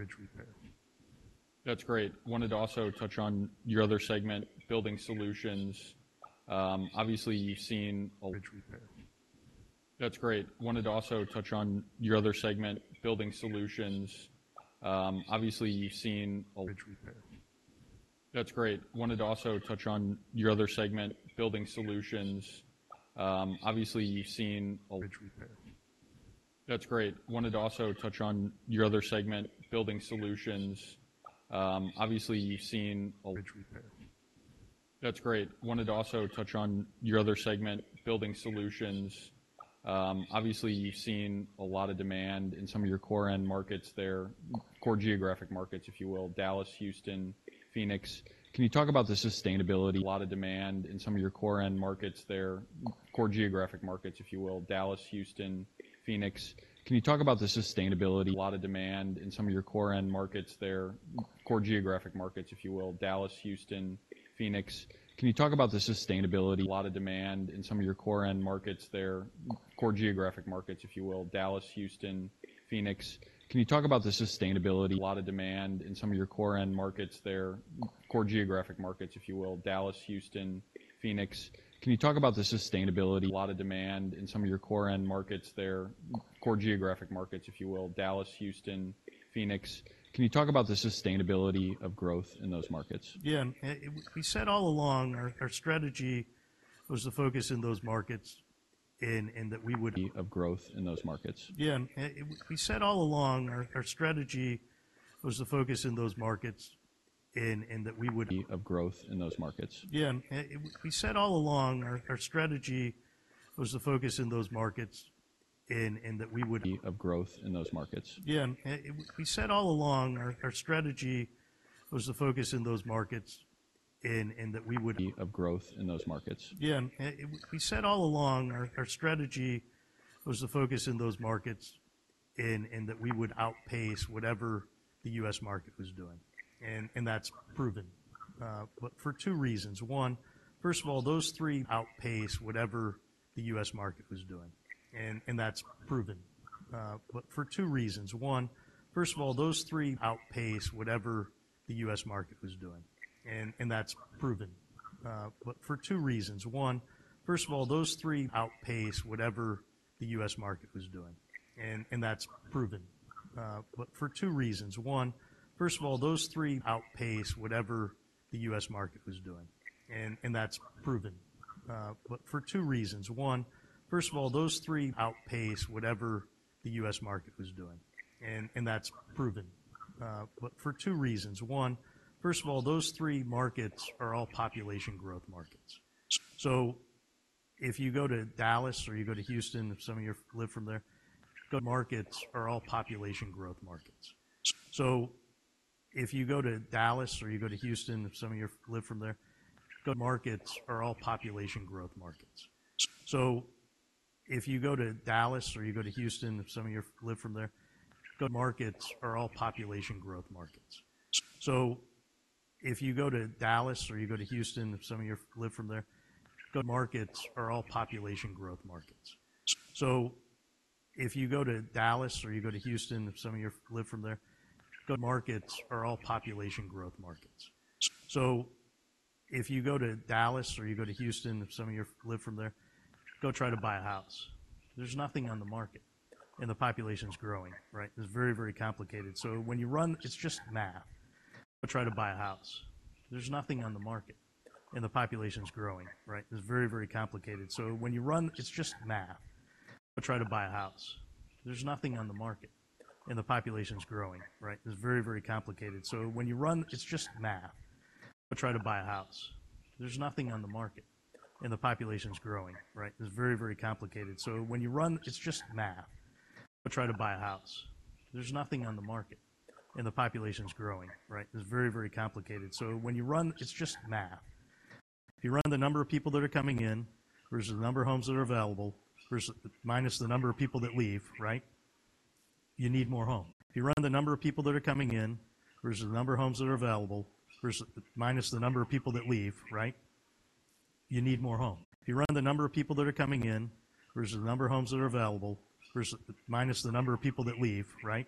lot of demand in some of your core end markets there, core geographic markets, if you will: Dallas, Houston, Phoenix. Can you talk about the sustainability of growth in those markets? Yeah. We said all along our strategy was to focus in those markets and that we would outpace whatever the U.S. market was doing. And that's proven. But for two reasons. One, first of all, those three markets are all population growth markets. So if you go to Dallas or you go to Houston, if some of you live from there, go try to buy a house. There's nothing on the market, and the population's growing, right? It's very, very complicated. So when you run, it's just math. If you run the number of people that are coming in versus the number of homes that are available versus minus the number of people that leave, right,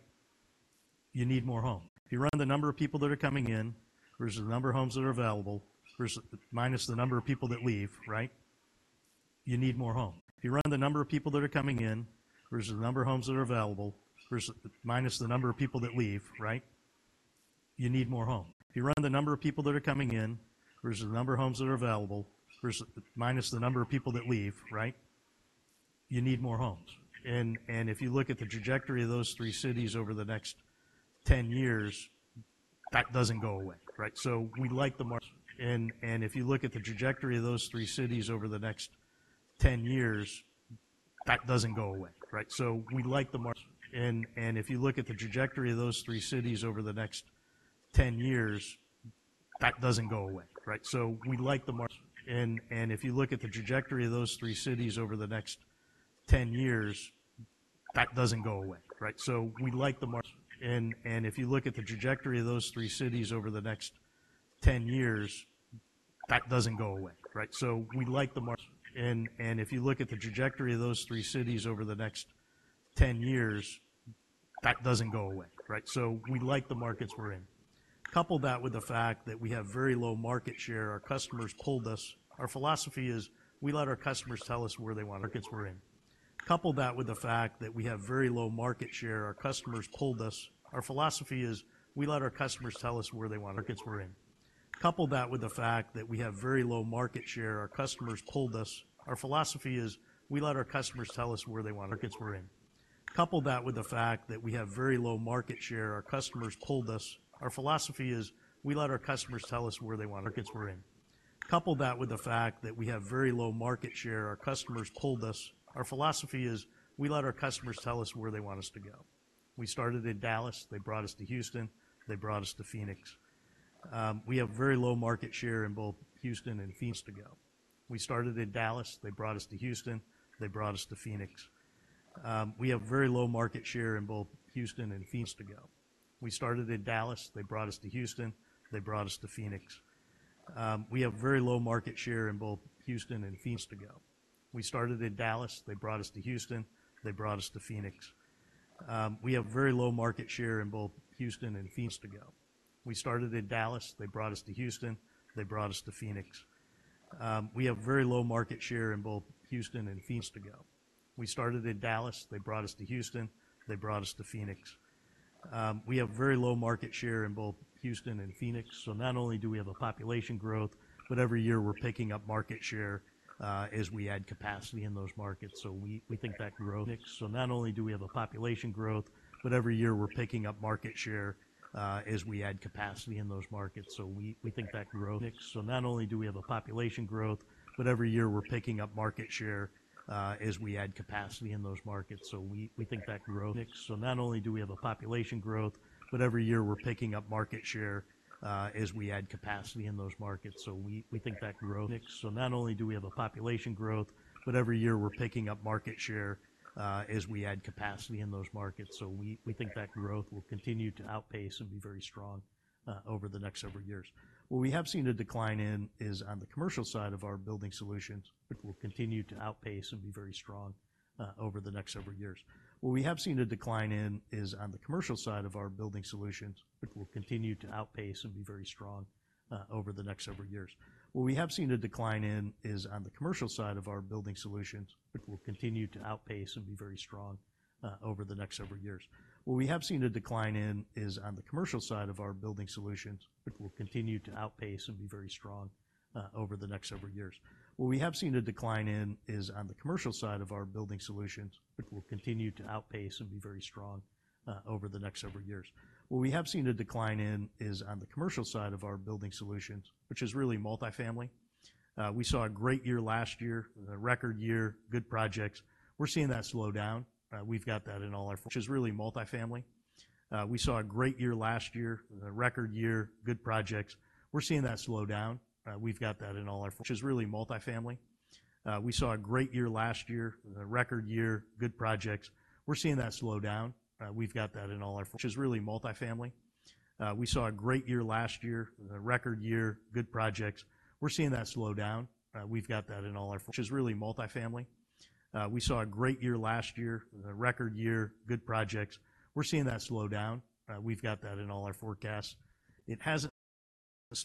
you need more homes. And if you look at the trajectory of those three cities over the next 10 years, that doesn't go away, right? So we like the markets we're in. Couple that with the fact that we have very low market share. Our customers told us our philosophy is we let our customers tell us where they want us to go. We started in Dallas. They brought us to Houston. They brought us to Phoenix. We have very low market share in both Houston and Phoenix. So not only do we have a population growth, but every year we're picking up market share as we add capacity in those markets. So we think that growth will continue to outpace and be very strong over the next several years. What we have seen a decline in is on the commercial side of our Building Solutions, which is really multifamily. We saw a great year last year, a record year, good projects. We're seeing that slow down. We've got that in all our forecasts. It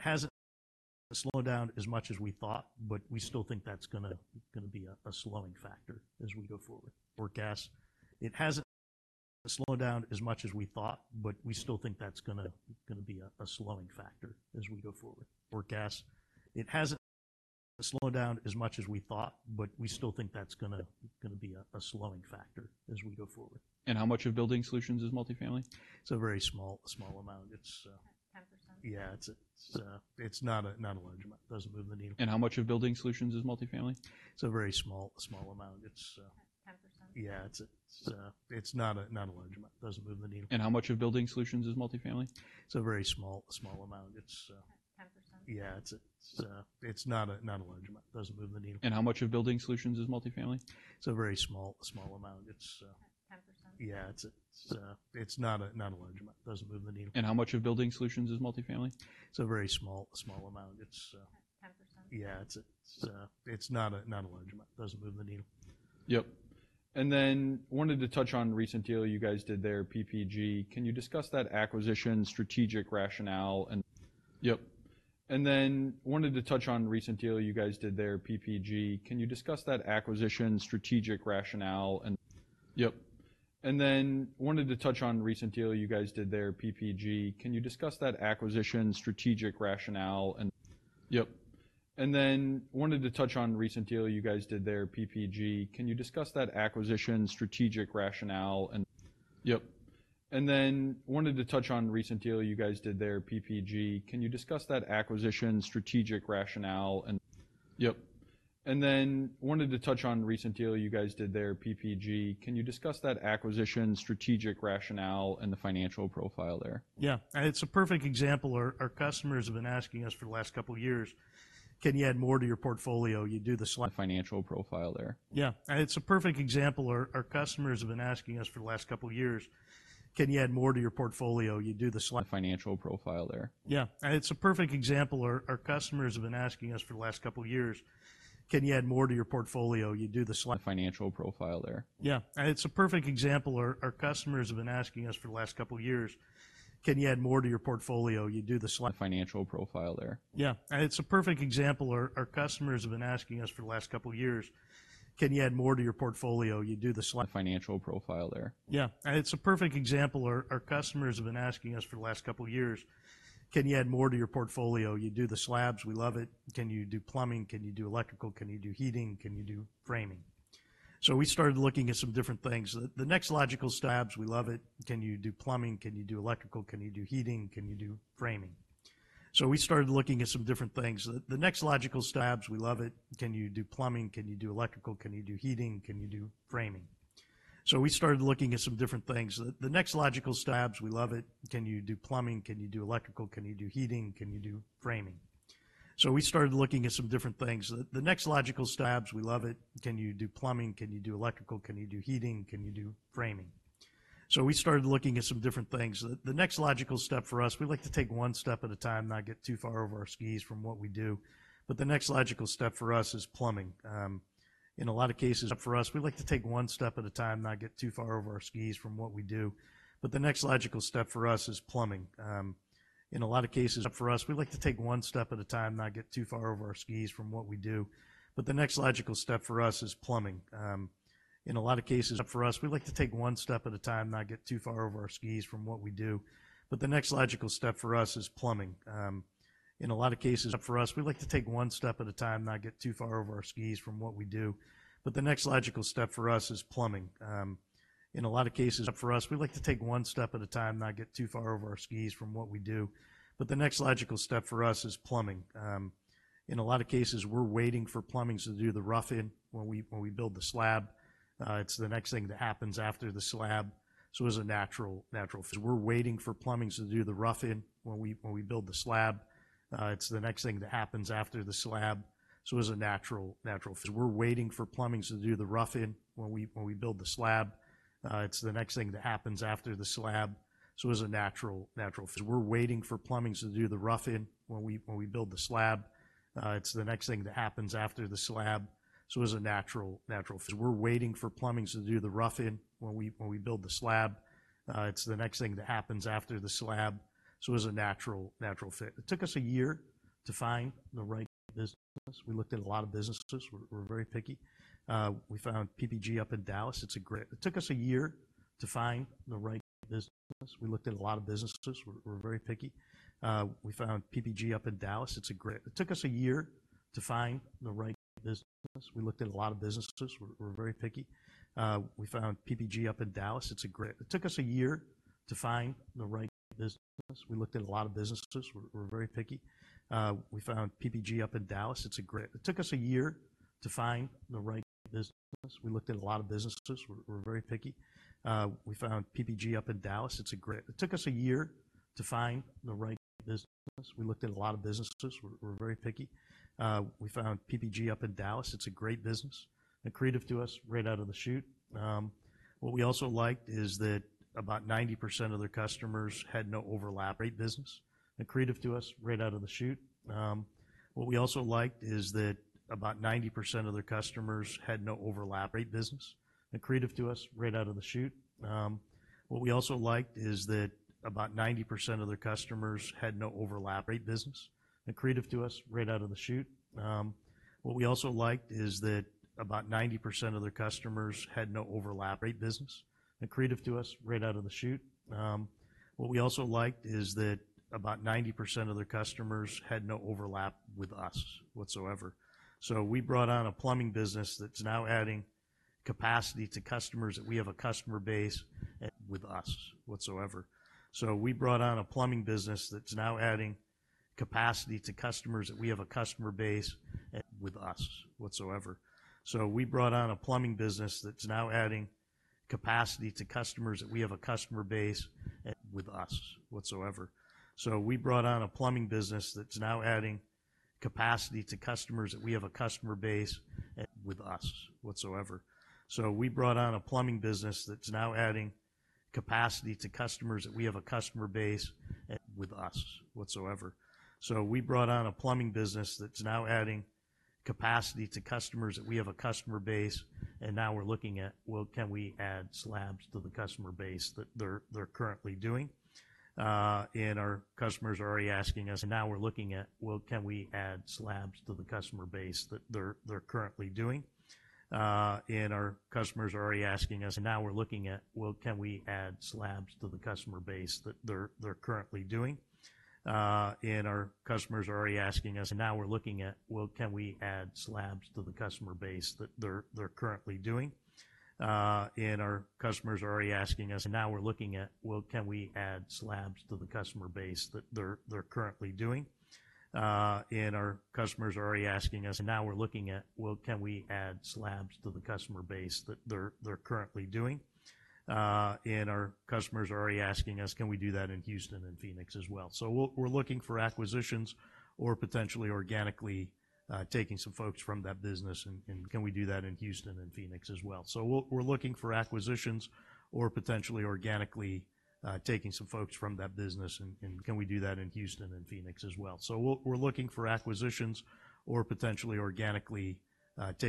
hasn't slowed down as much as we thought, but we still think that's going to be a slowing factor as we go forward. Forecasts. And how much of Building Solutions is multifamily? It's a very small amount. It's 10%? Yeah. It's not a large amount. Doesn't move the needle. Yep. And then wanted to touch on recent deal you guys did there, PPG. Can you discuss that acquisition strategic rationale and the financial profile there? Yeah. It's a perfect example. Our customers have been asking us for the last couple of years, "Can you add more to your portfolio? You do the slabs. We love it. Can you do plumbing? Can you do electrical? Can you do heating? Can you do framing?" So we started looking at some different things. The next logical step for us, we like to take one step at a time, not get too far over our skis from what we do. But the next logical step for us is plumbing. In a lot of cases, we're waiting for plumbings to do the rough-in when we build the slab. It's the next thing that happens after the slab. So it's a natural natural. It took us a year to find the right business. We looked at a lot of businesses. We're very picky. We found PPG up in Dallas. It's a great business and accretive to us, right out of the chute. What we also liked is that about 90% of their customers had no overlap with us whatsoever. So we brought on a plumbing business that's now adding capacity to customers that we have a customer base with us whatsoever. And now we're looking at, well, can we add slabs to the customer base that they're currently doing? And our customers are already asking us, can we do that in Houston and Phoenix as well? So we're looking for acquisitions or potentially organically taking some folks from that business and growing that. It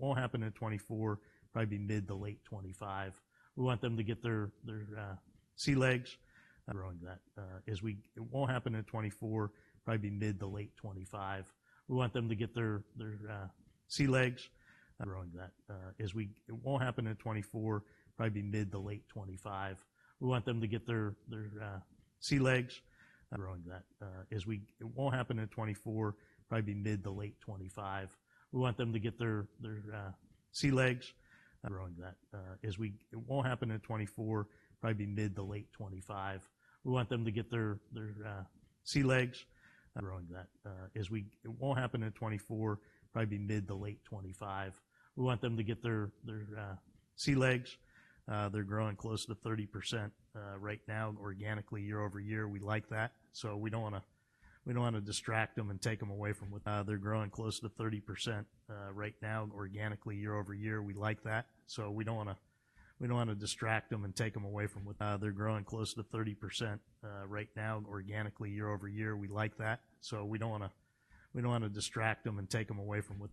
won't happen in 2024, probably be mid to late 2025. We want them to get their sea legs. They're growing close to 30% right now organically, year-over-year. We like that. So we don't want to distract them and take them away from what they're growing close to 30% right now organically, year-over-year. We like that. So we don't want to distract them and take them away from what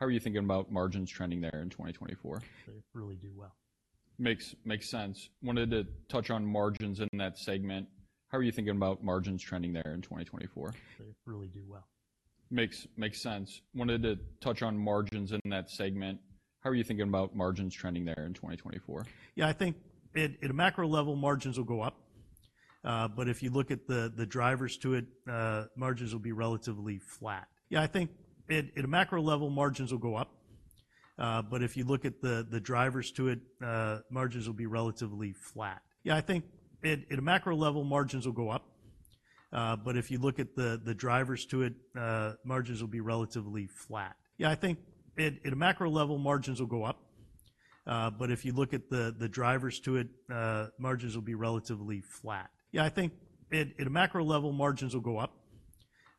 they really do well. Makes sense. Wanted to touch on margins in that segment. How are you thinking about margins trending there in 2024? Yeah. I think at a macro level, margins will go up. But if you look at the drivers to it, margins will be relatively flat.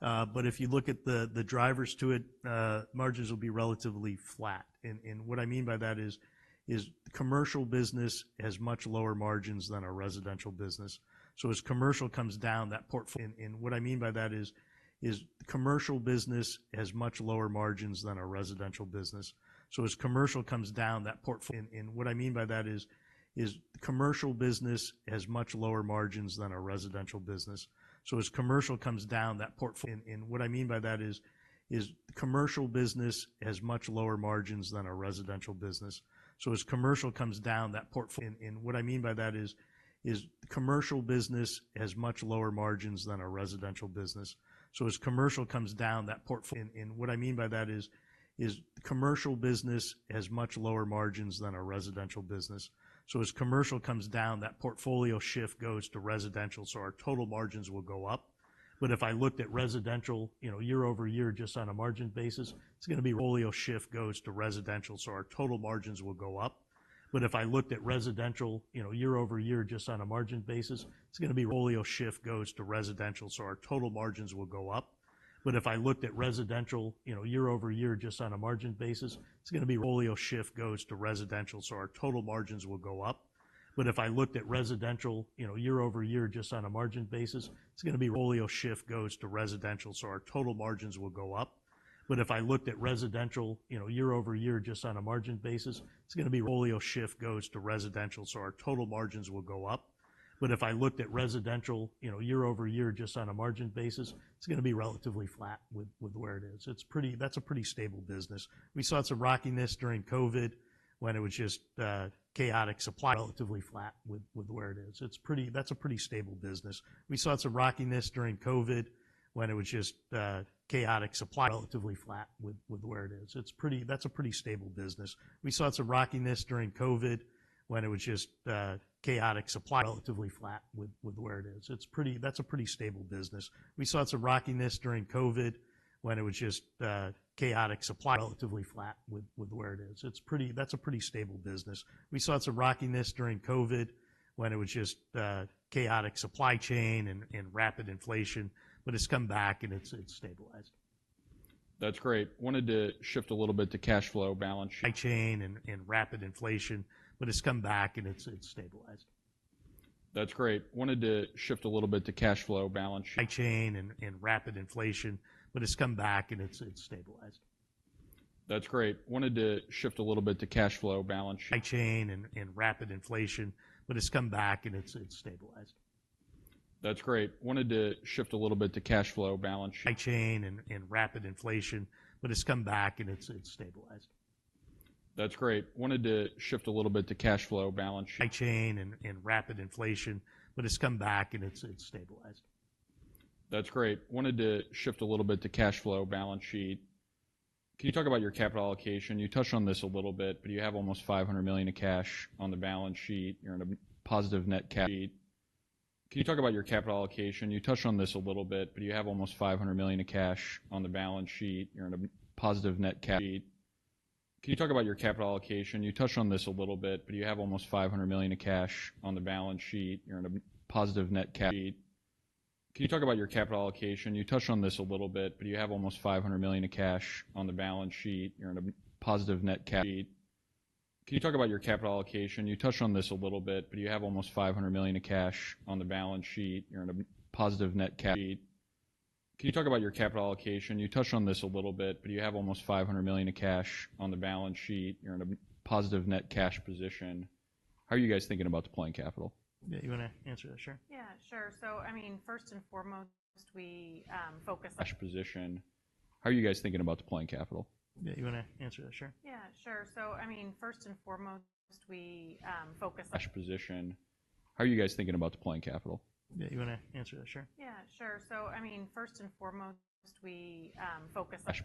And what I mean by that is commercial business has much lower margins than a residential business. So as commercial comes down, that portfolio shift goes to residential. So our total margins will go up. But if I looked at residential year over year, just on a margin basis, it's going to be portfolio shift goes to residential. So our total margins will go up. But if I looked at residential year over year, just on a margin basis, it's going to be relatively flat with where it is. That's a pretty stable business. We saw some rockiness during COVID when it was just chaotic supply chain and rapid inflation. But it's come back and it's stabilized. That's great. Wanted to shift a little bit to cash flow balance sheet. Can you talk about your capital allocation? You touched on this a little bit, but you have almost $500 million of cash on the balance sheet. You're in a positive net cash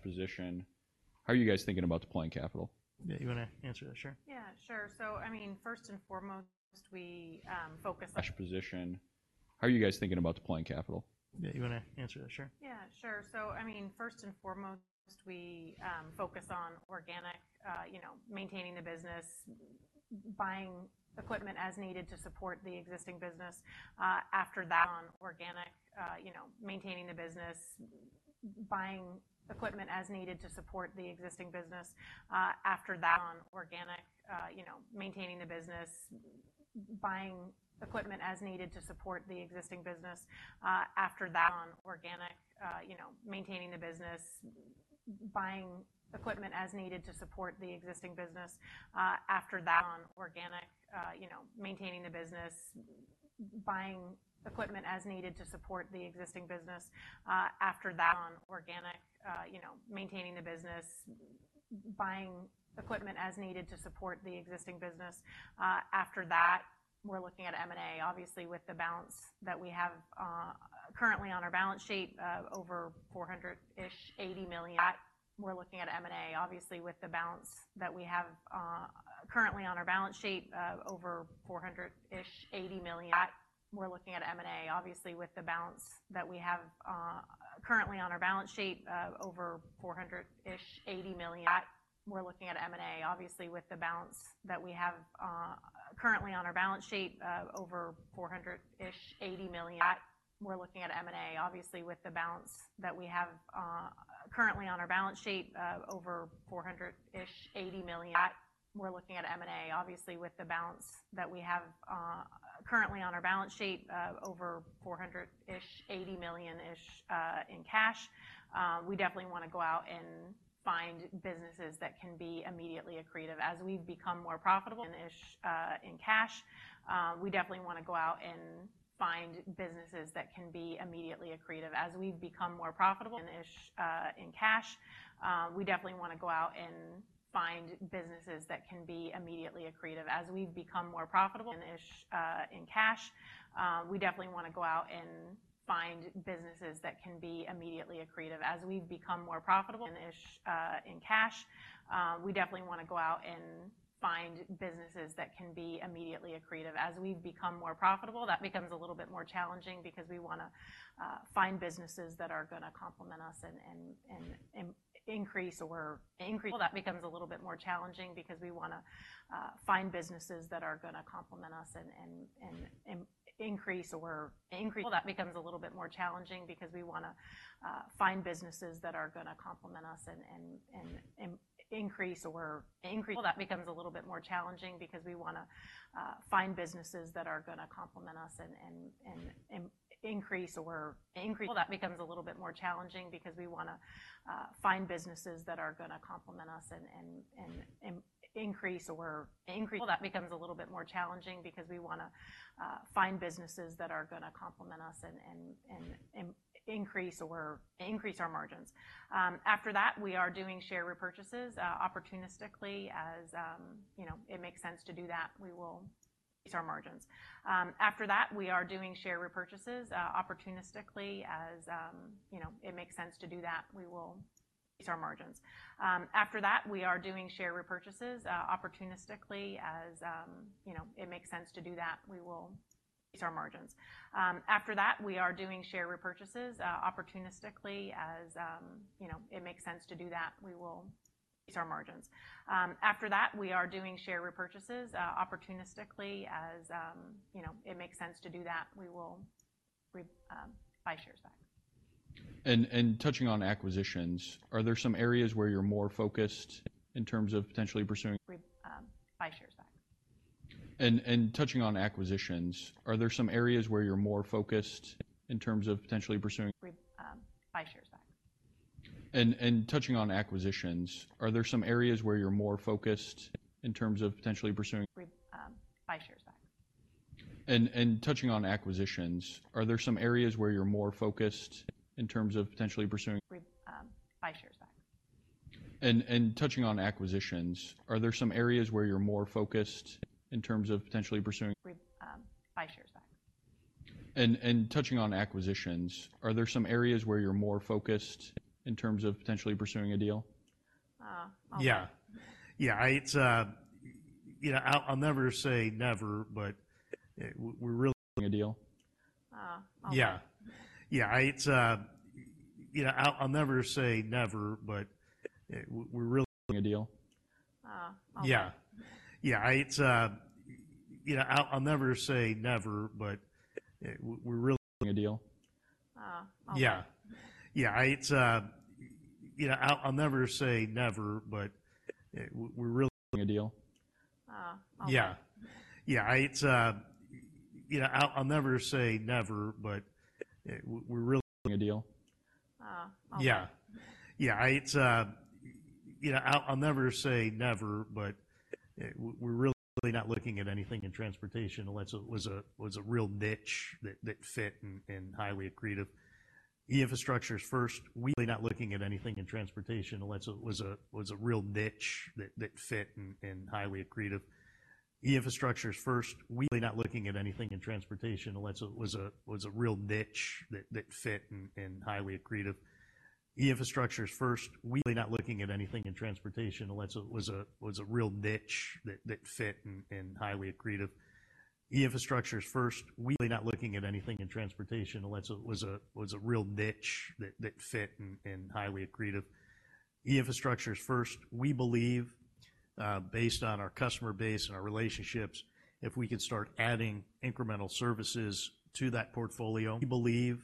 position. How are you guys thinking about deploying capital? Yeah. You want to answer that? Sure. Yeah. Sure. So I mean, first and foremost, we focus on organic maintaining the business, buying equipment as needed to support the existing business. After that, we're looking at M&A, obviously, with the balance that we have currently on our balance sheet over $480 million-ish in cash. We definitely want to go out and find businesses that can be immediately accretive as we've become more profitable. That becomes a little bit more challenging because we want to find businesses that are going to complement us and increase our margins. After that, we are doing share repurchases opportunistically as it makes sense to do that. We will buy shares back. And touching on acquisitions, are there some areas where you're more focused in terms of potentially pursuing a deal? Yeah. Yeah. It's – I'll never say never, but we're really not looking at anything in transportation unless it was a real niche that fit and highly accretive. E-Infrastructure's first. We believe, based on our customer base and our relationships, if we could start adding incremental services to that portfolio, we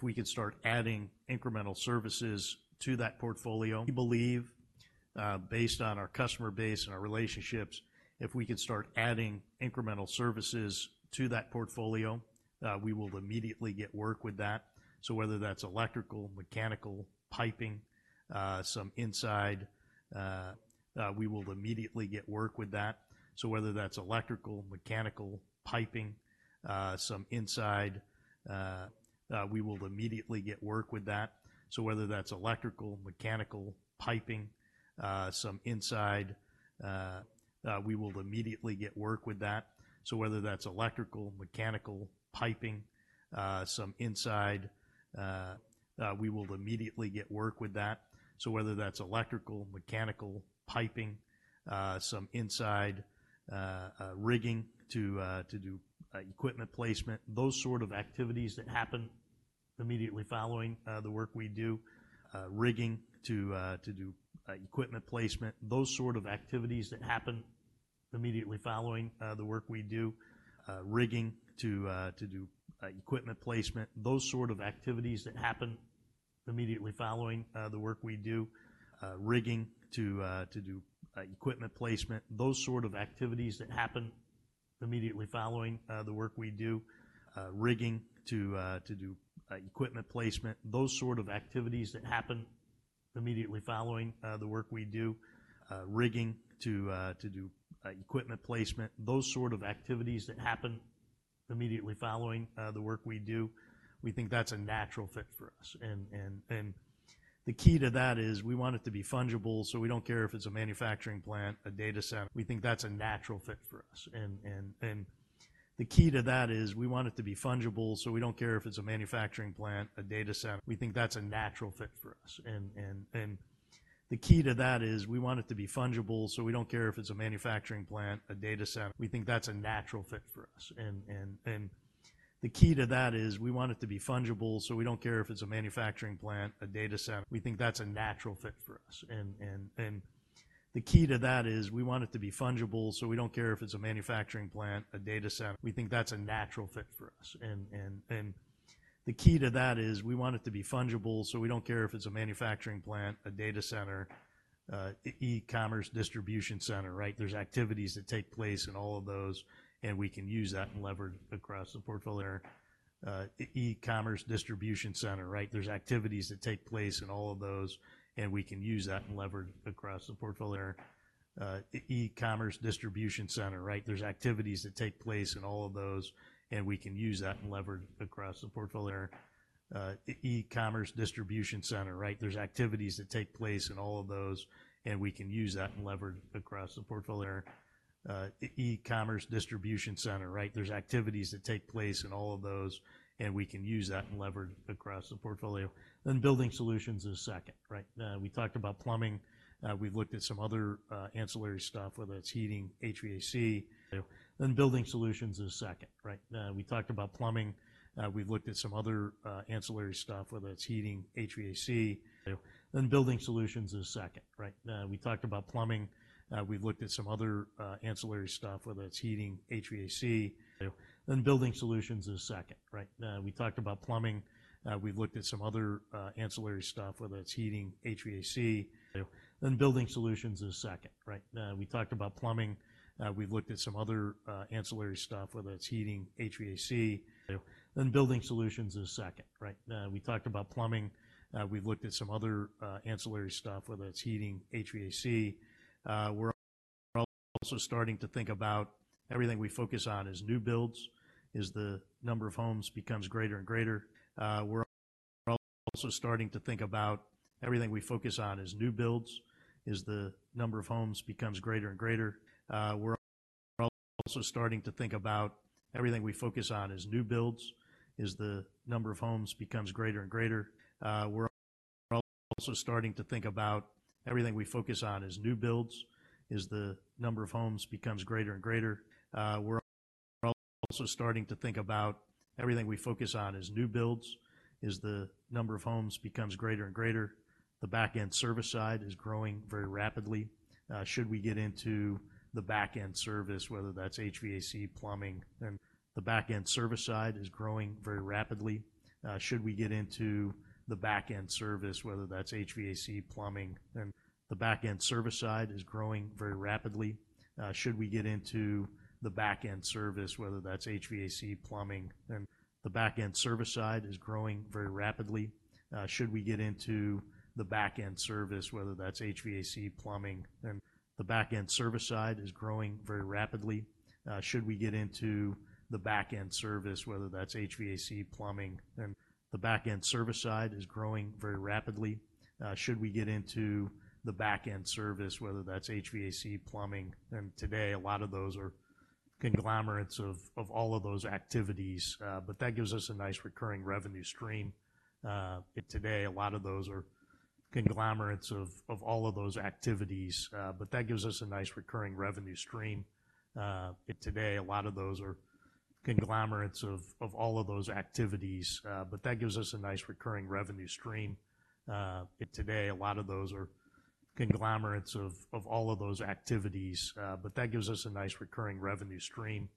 will immediately get work with that. So whether that's electrical, mechanical, piping, some inside rigging to do equipment placement, those sort of activities that happen immediately following the work we do, we think that's a natural fit for us. And the key to that is we want it to be fungible, so we don't care if it's a manufacturing plant, a data center, e-commerce distribution center, right? There's activities that take place in all of those, and we can use that and leverage across the portfolio. Then Building Solutions is second, right? We talked about plumbing. We've looked at some other ancillary stuff, whether it's heating, HVAC. We're also starting to think about everything we focus on as new builds, as the number of homes becomes greater and greater. The backend service side is growing very rapidly. Should we get into the backend service, whether that's HVAC, plumbing, then the backend service side is growing very rapidly. Today, a lot of those are conglomerates of all of those activities, but that gives us a nice recurring revenue stream.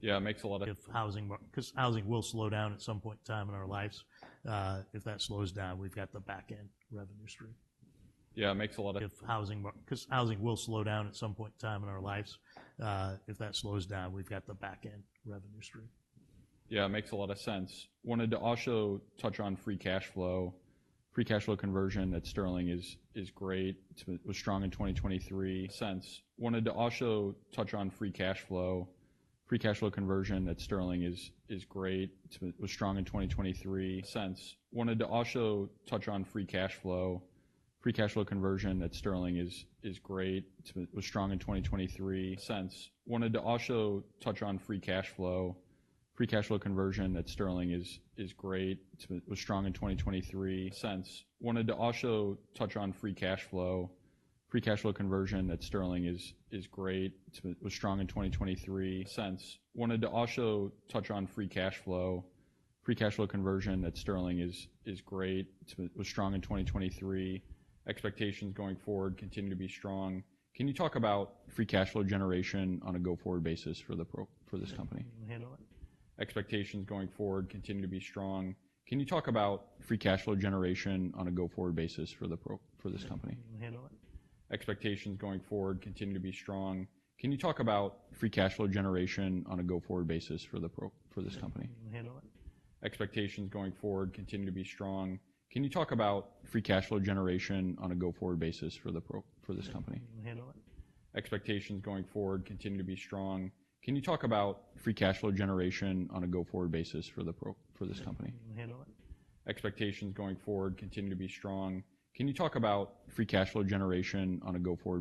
Because housing will slow down at some point in time in our lives. If that slows down, we've got the backend revenue stream. Yeah, it makes a lot of sense. Wanted to also touch on free cash flow. Free cash flow conversion at Sterling is great. It was strong in 2023. Expectations going forward continue to be strong. Can you talk about free cash flow generation on a go-forward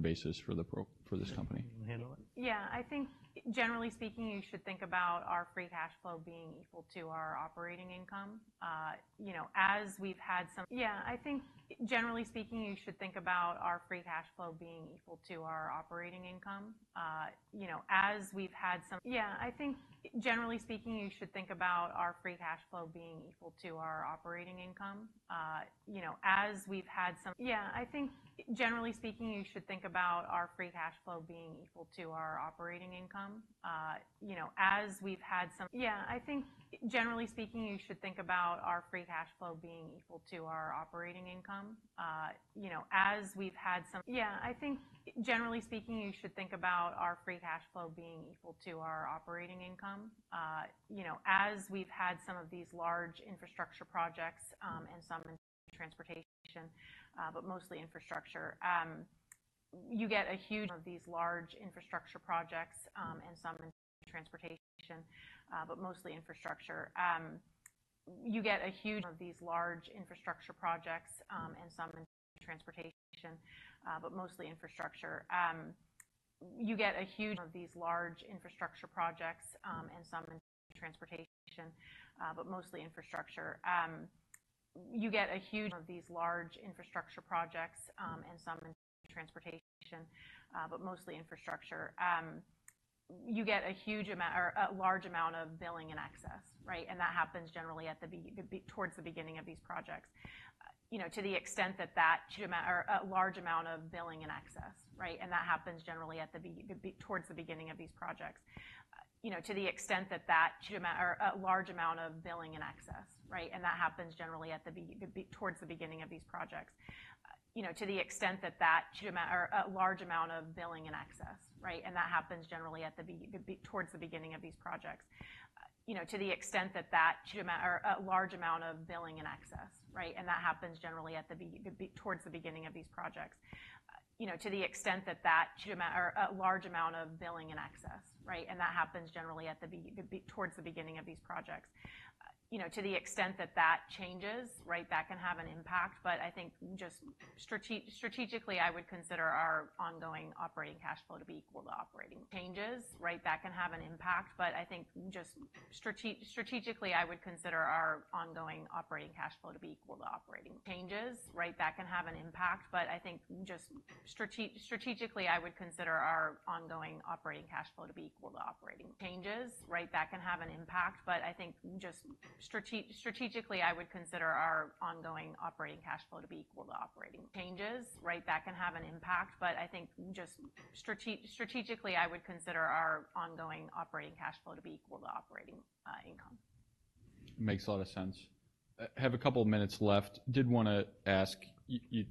basis for this company? Yeah, I think generally speaking, you should think about our free cash flow being equal to our operating income. As we've had some of these large infrastructure projects and some in transportation, but mostly infrastructure. You get a huge amount or a large amount of billing and access, right? And that happens generally towards the beginning of these projects. To the extent that that changes, right? That can have an impact, but I think just strategically, I would consider our ongoing operating cash flow to be equal to operating income. Makes a lot of sense. Have a couple of minutes left. I did want to ask you.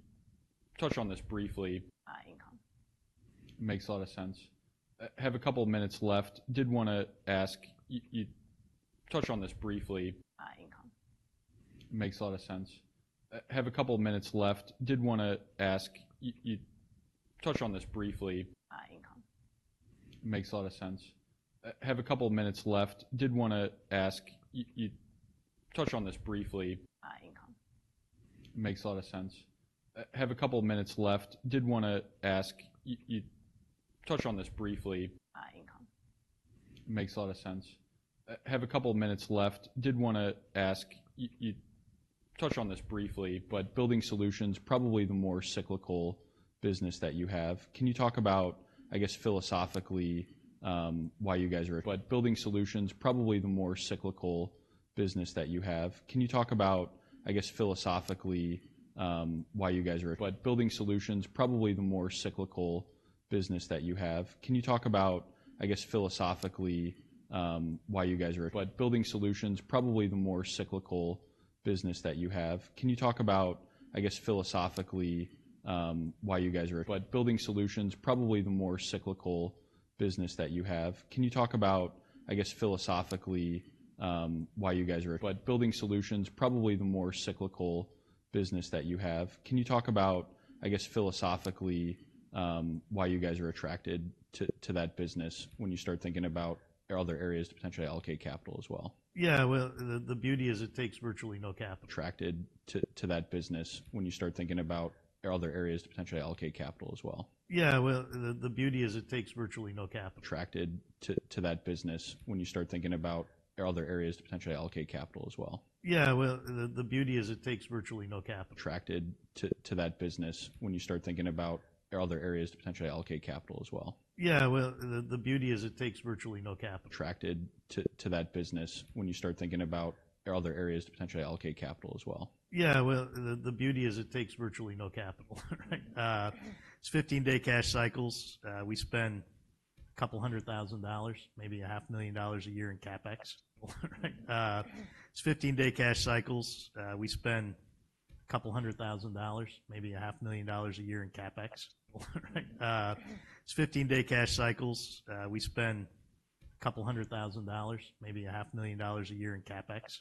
You touched on this briefly, but Building Solutions, probably the more cyclical business that you have. Can you talk about, I guess, philosophically, why you guys are attracted to that business when you start thinking about other areas to potentially allocate capital as well? Yeah, well, the beauty is it takes virtually no capital, right? It's 15-day cash cycles. We spend couple hundred thousand dollars, maybe $500,000 a year in CapEx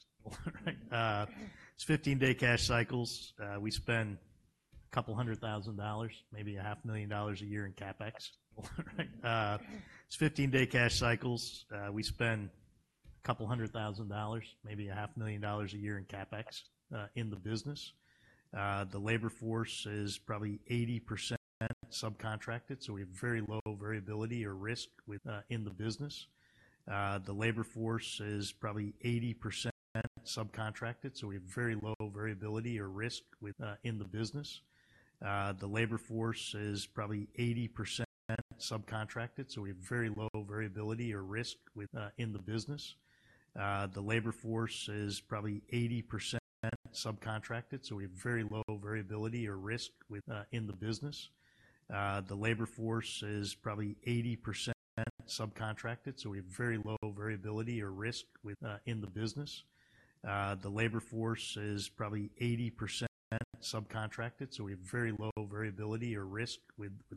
in the business. The labor force is probably 80% subcontracted, so we have very low variability or risk with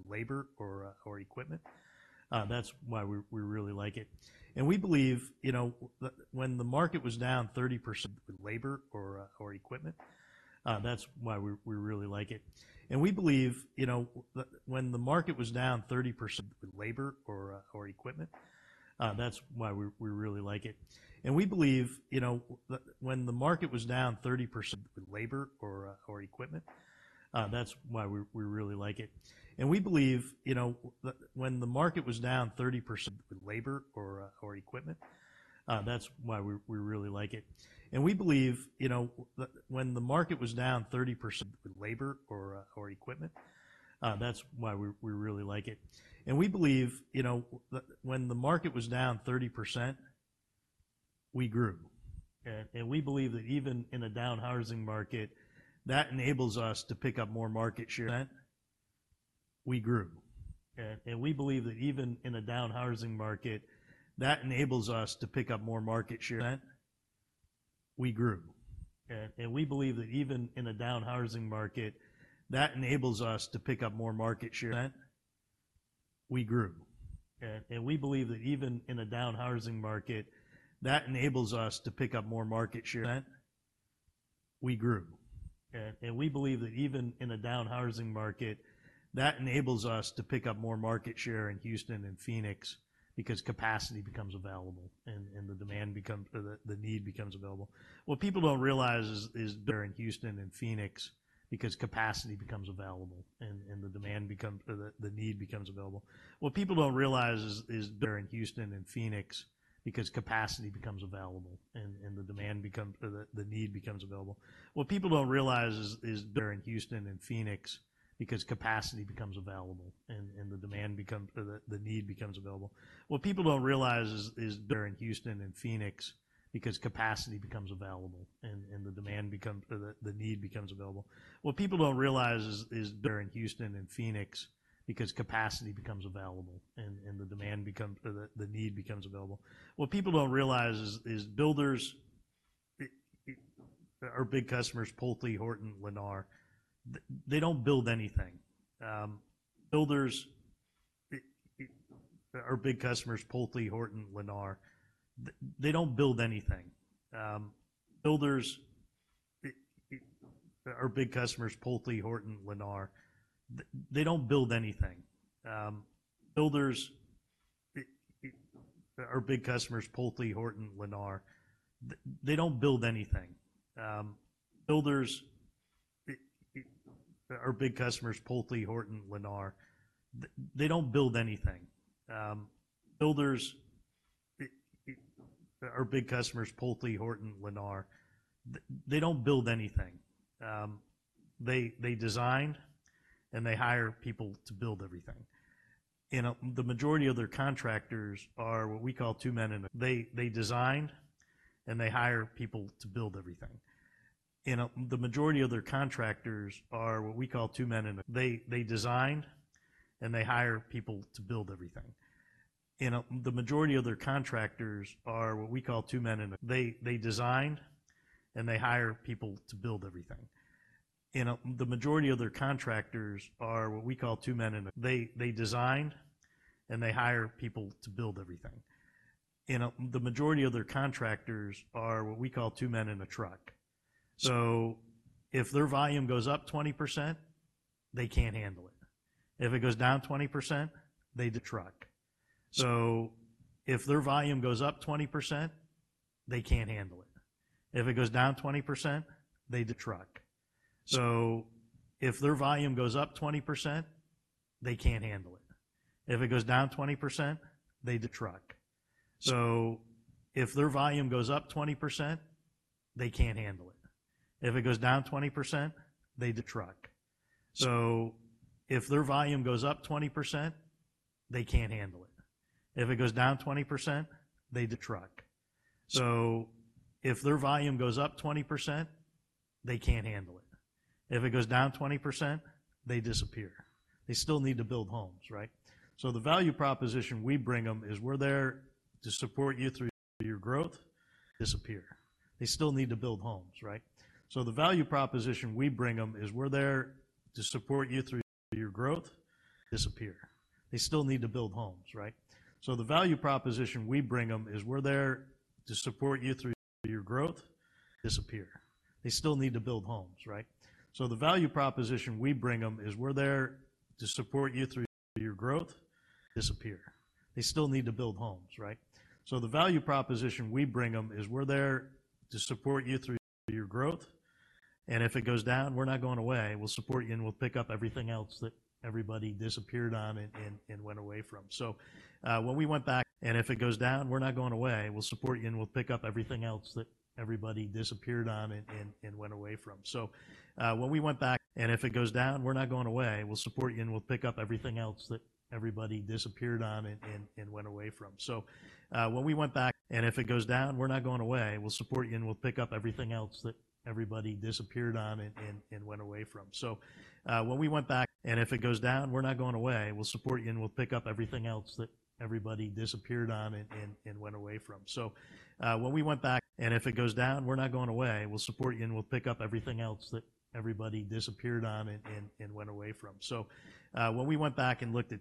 labor or equipment. That's why we really like it. And we believe when the market was down 30%, we grew. And we believe that even in a down housing market, that enables us to pick up more market share in Houston and Phoenix because capacity becomes available and the demand becomes the need becomes available. What people don't realize is builders, our big customers, Pulte, Horton, Lennar, they don't build anything. They design and they hire people to build everything. And the majority of their contractors are what we call two men in a truck. So if their volume goes up 20%, they can't handle it. If it goes down 20%, they disappear. They still need to build homes, right? So the value proposition we bring them is we're there to support you through your growth. And if it goes down, we're not going away. We'll support you and we'll pick up everything else that everybody disappeared on and went away from. So when we went back and looked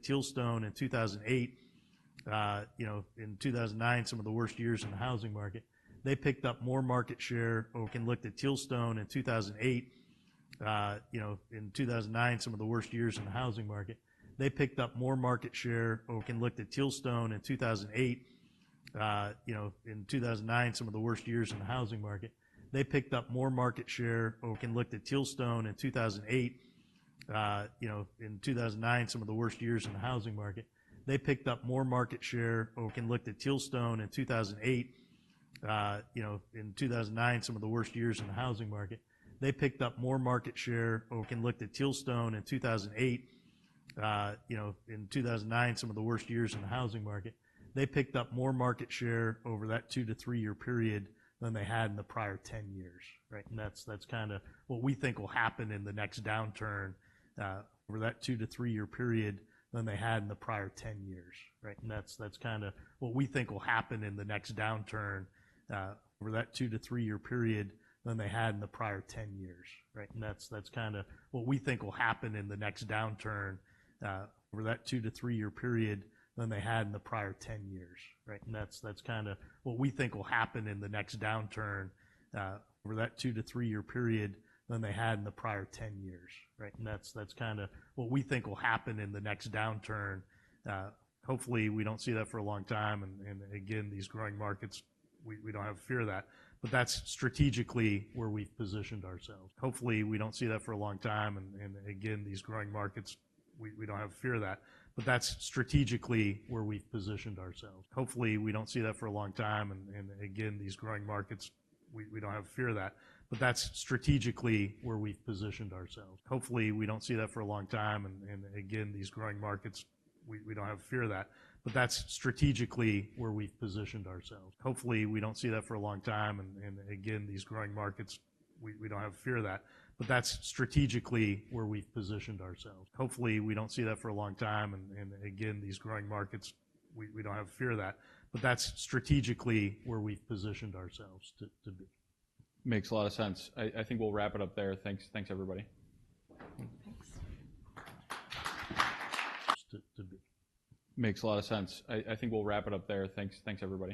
at Tealstone in 2008, in 2009, some of the worst years in the housing market, they picked up more market share, they picked up more market share over that two to three-year period than they had in the prior 10 years, right? And that's kind of what we think will happen in the next downturn. Hopefully, we don't see that for a long time. And again, these growing markets, we don't have fear of that. But that's strategically where we've positioned ourselves to do. Makes a lot of sense. I think we'll wrap it up there. Thanks, everybody.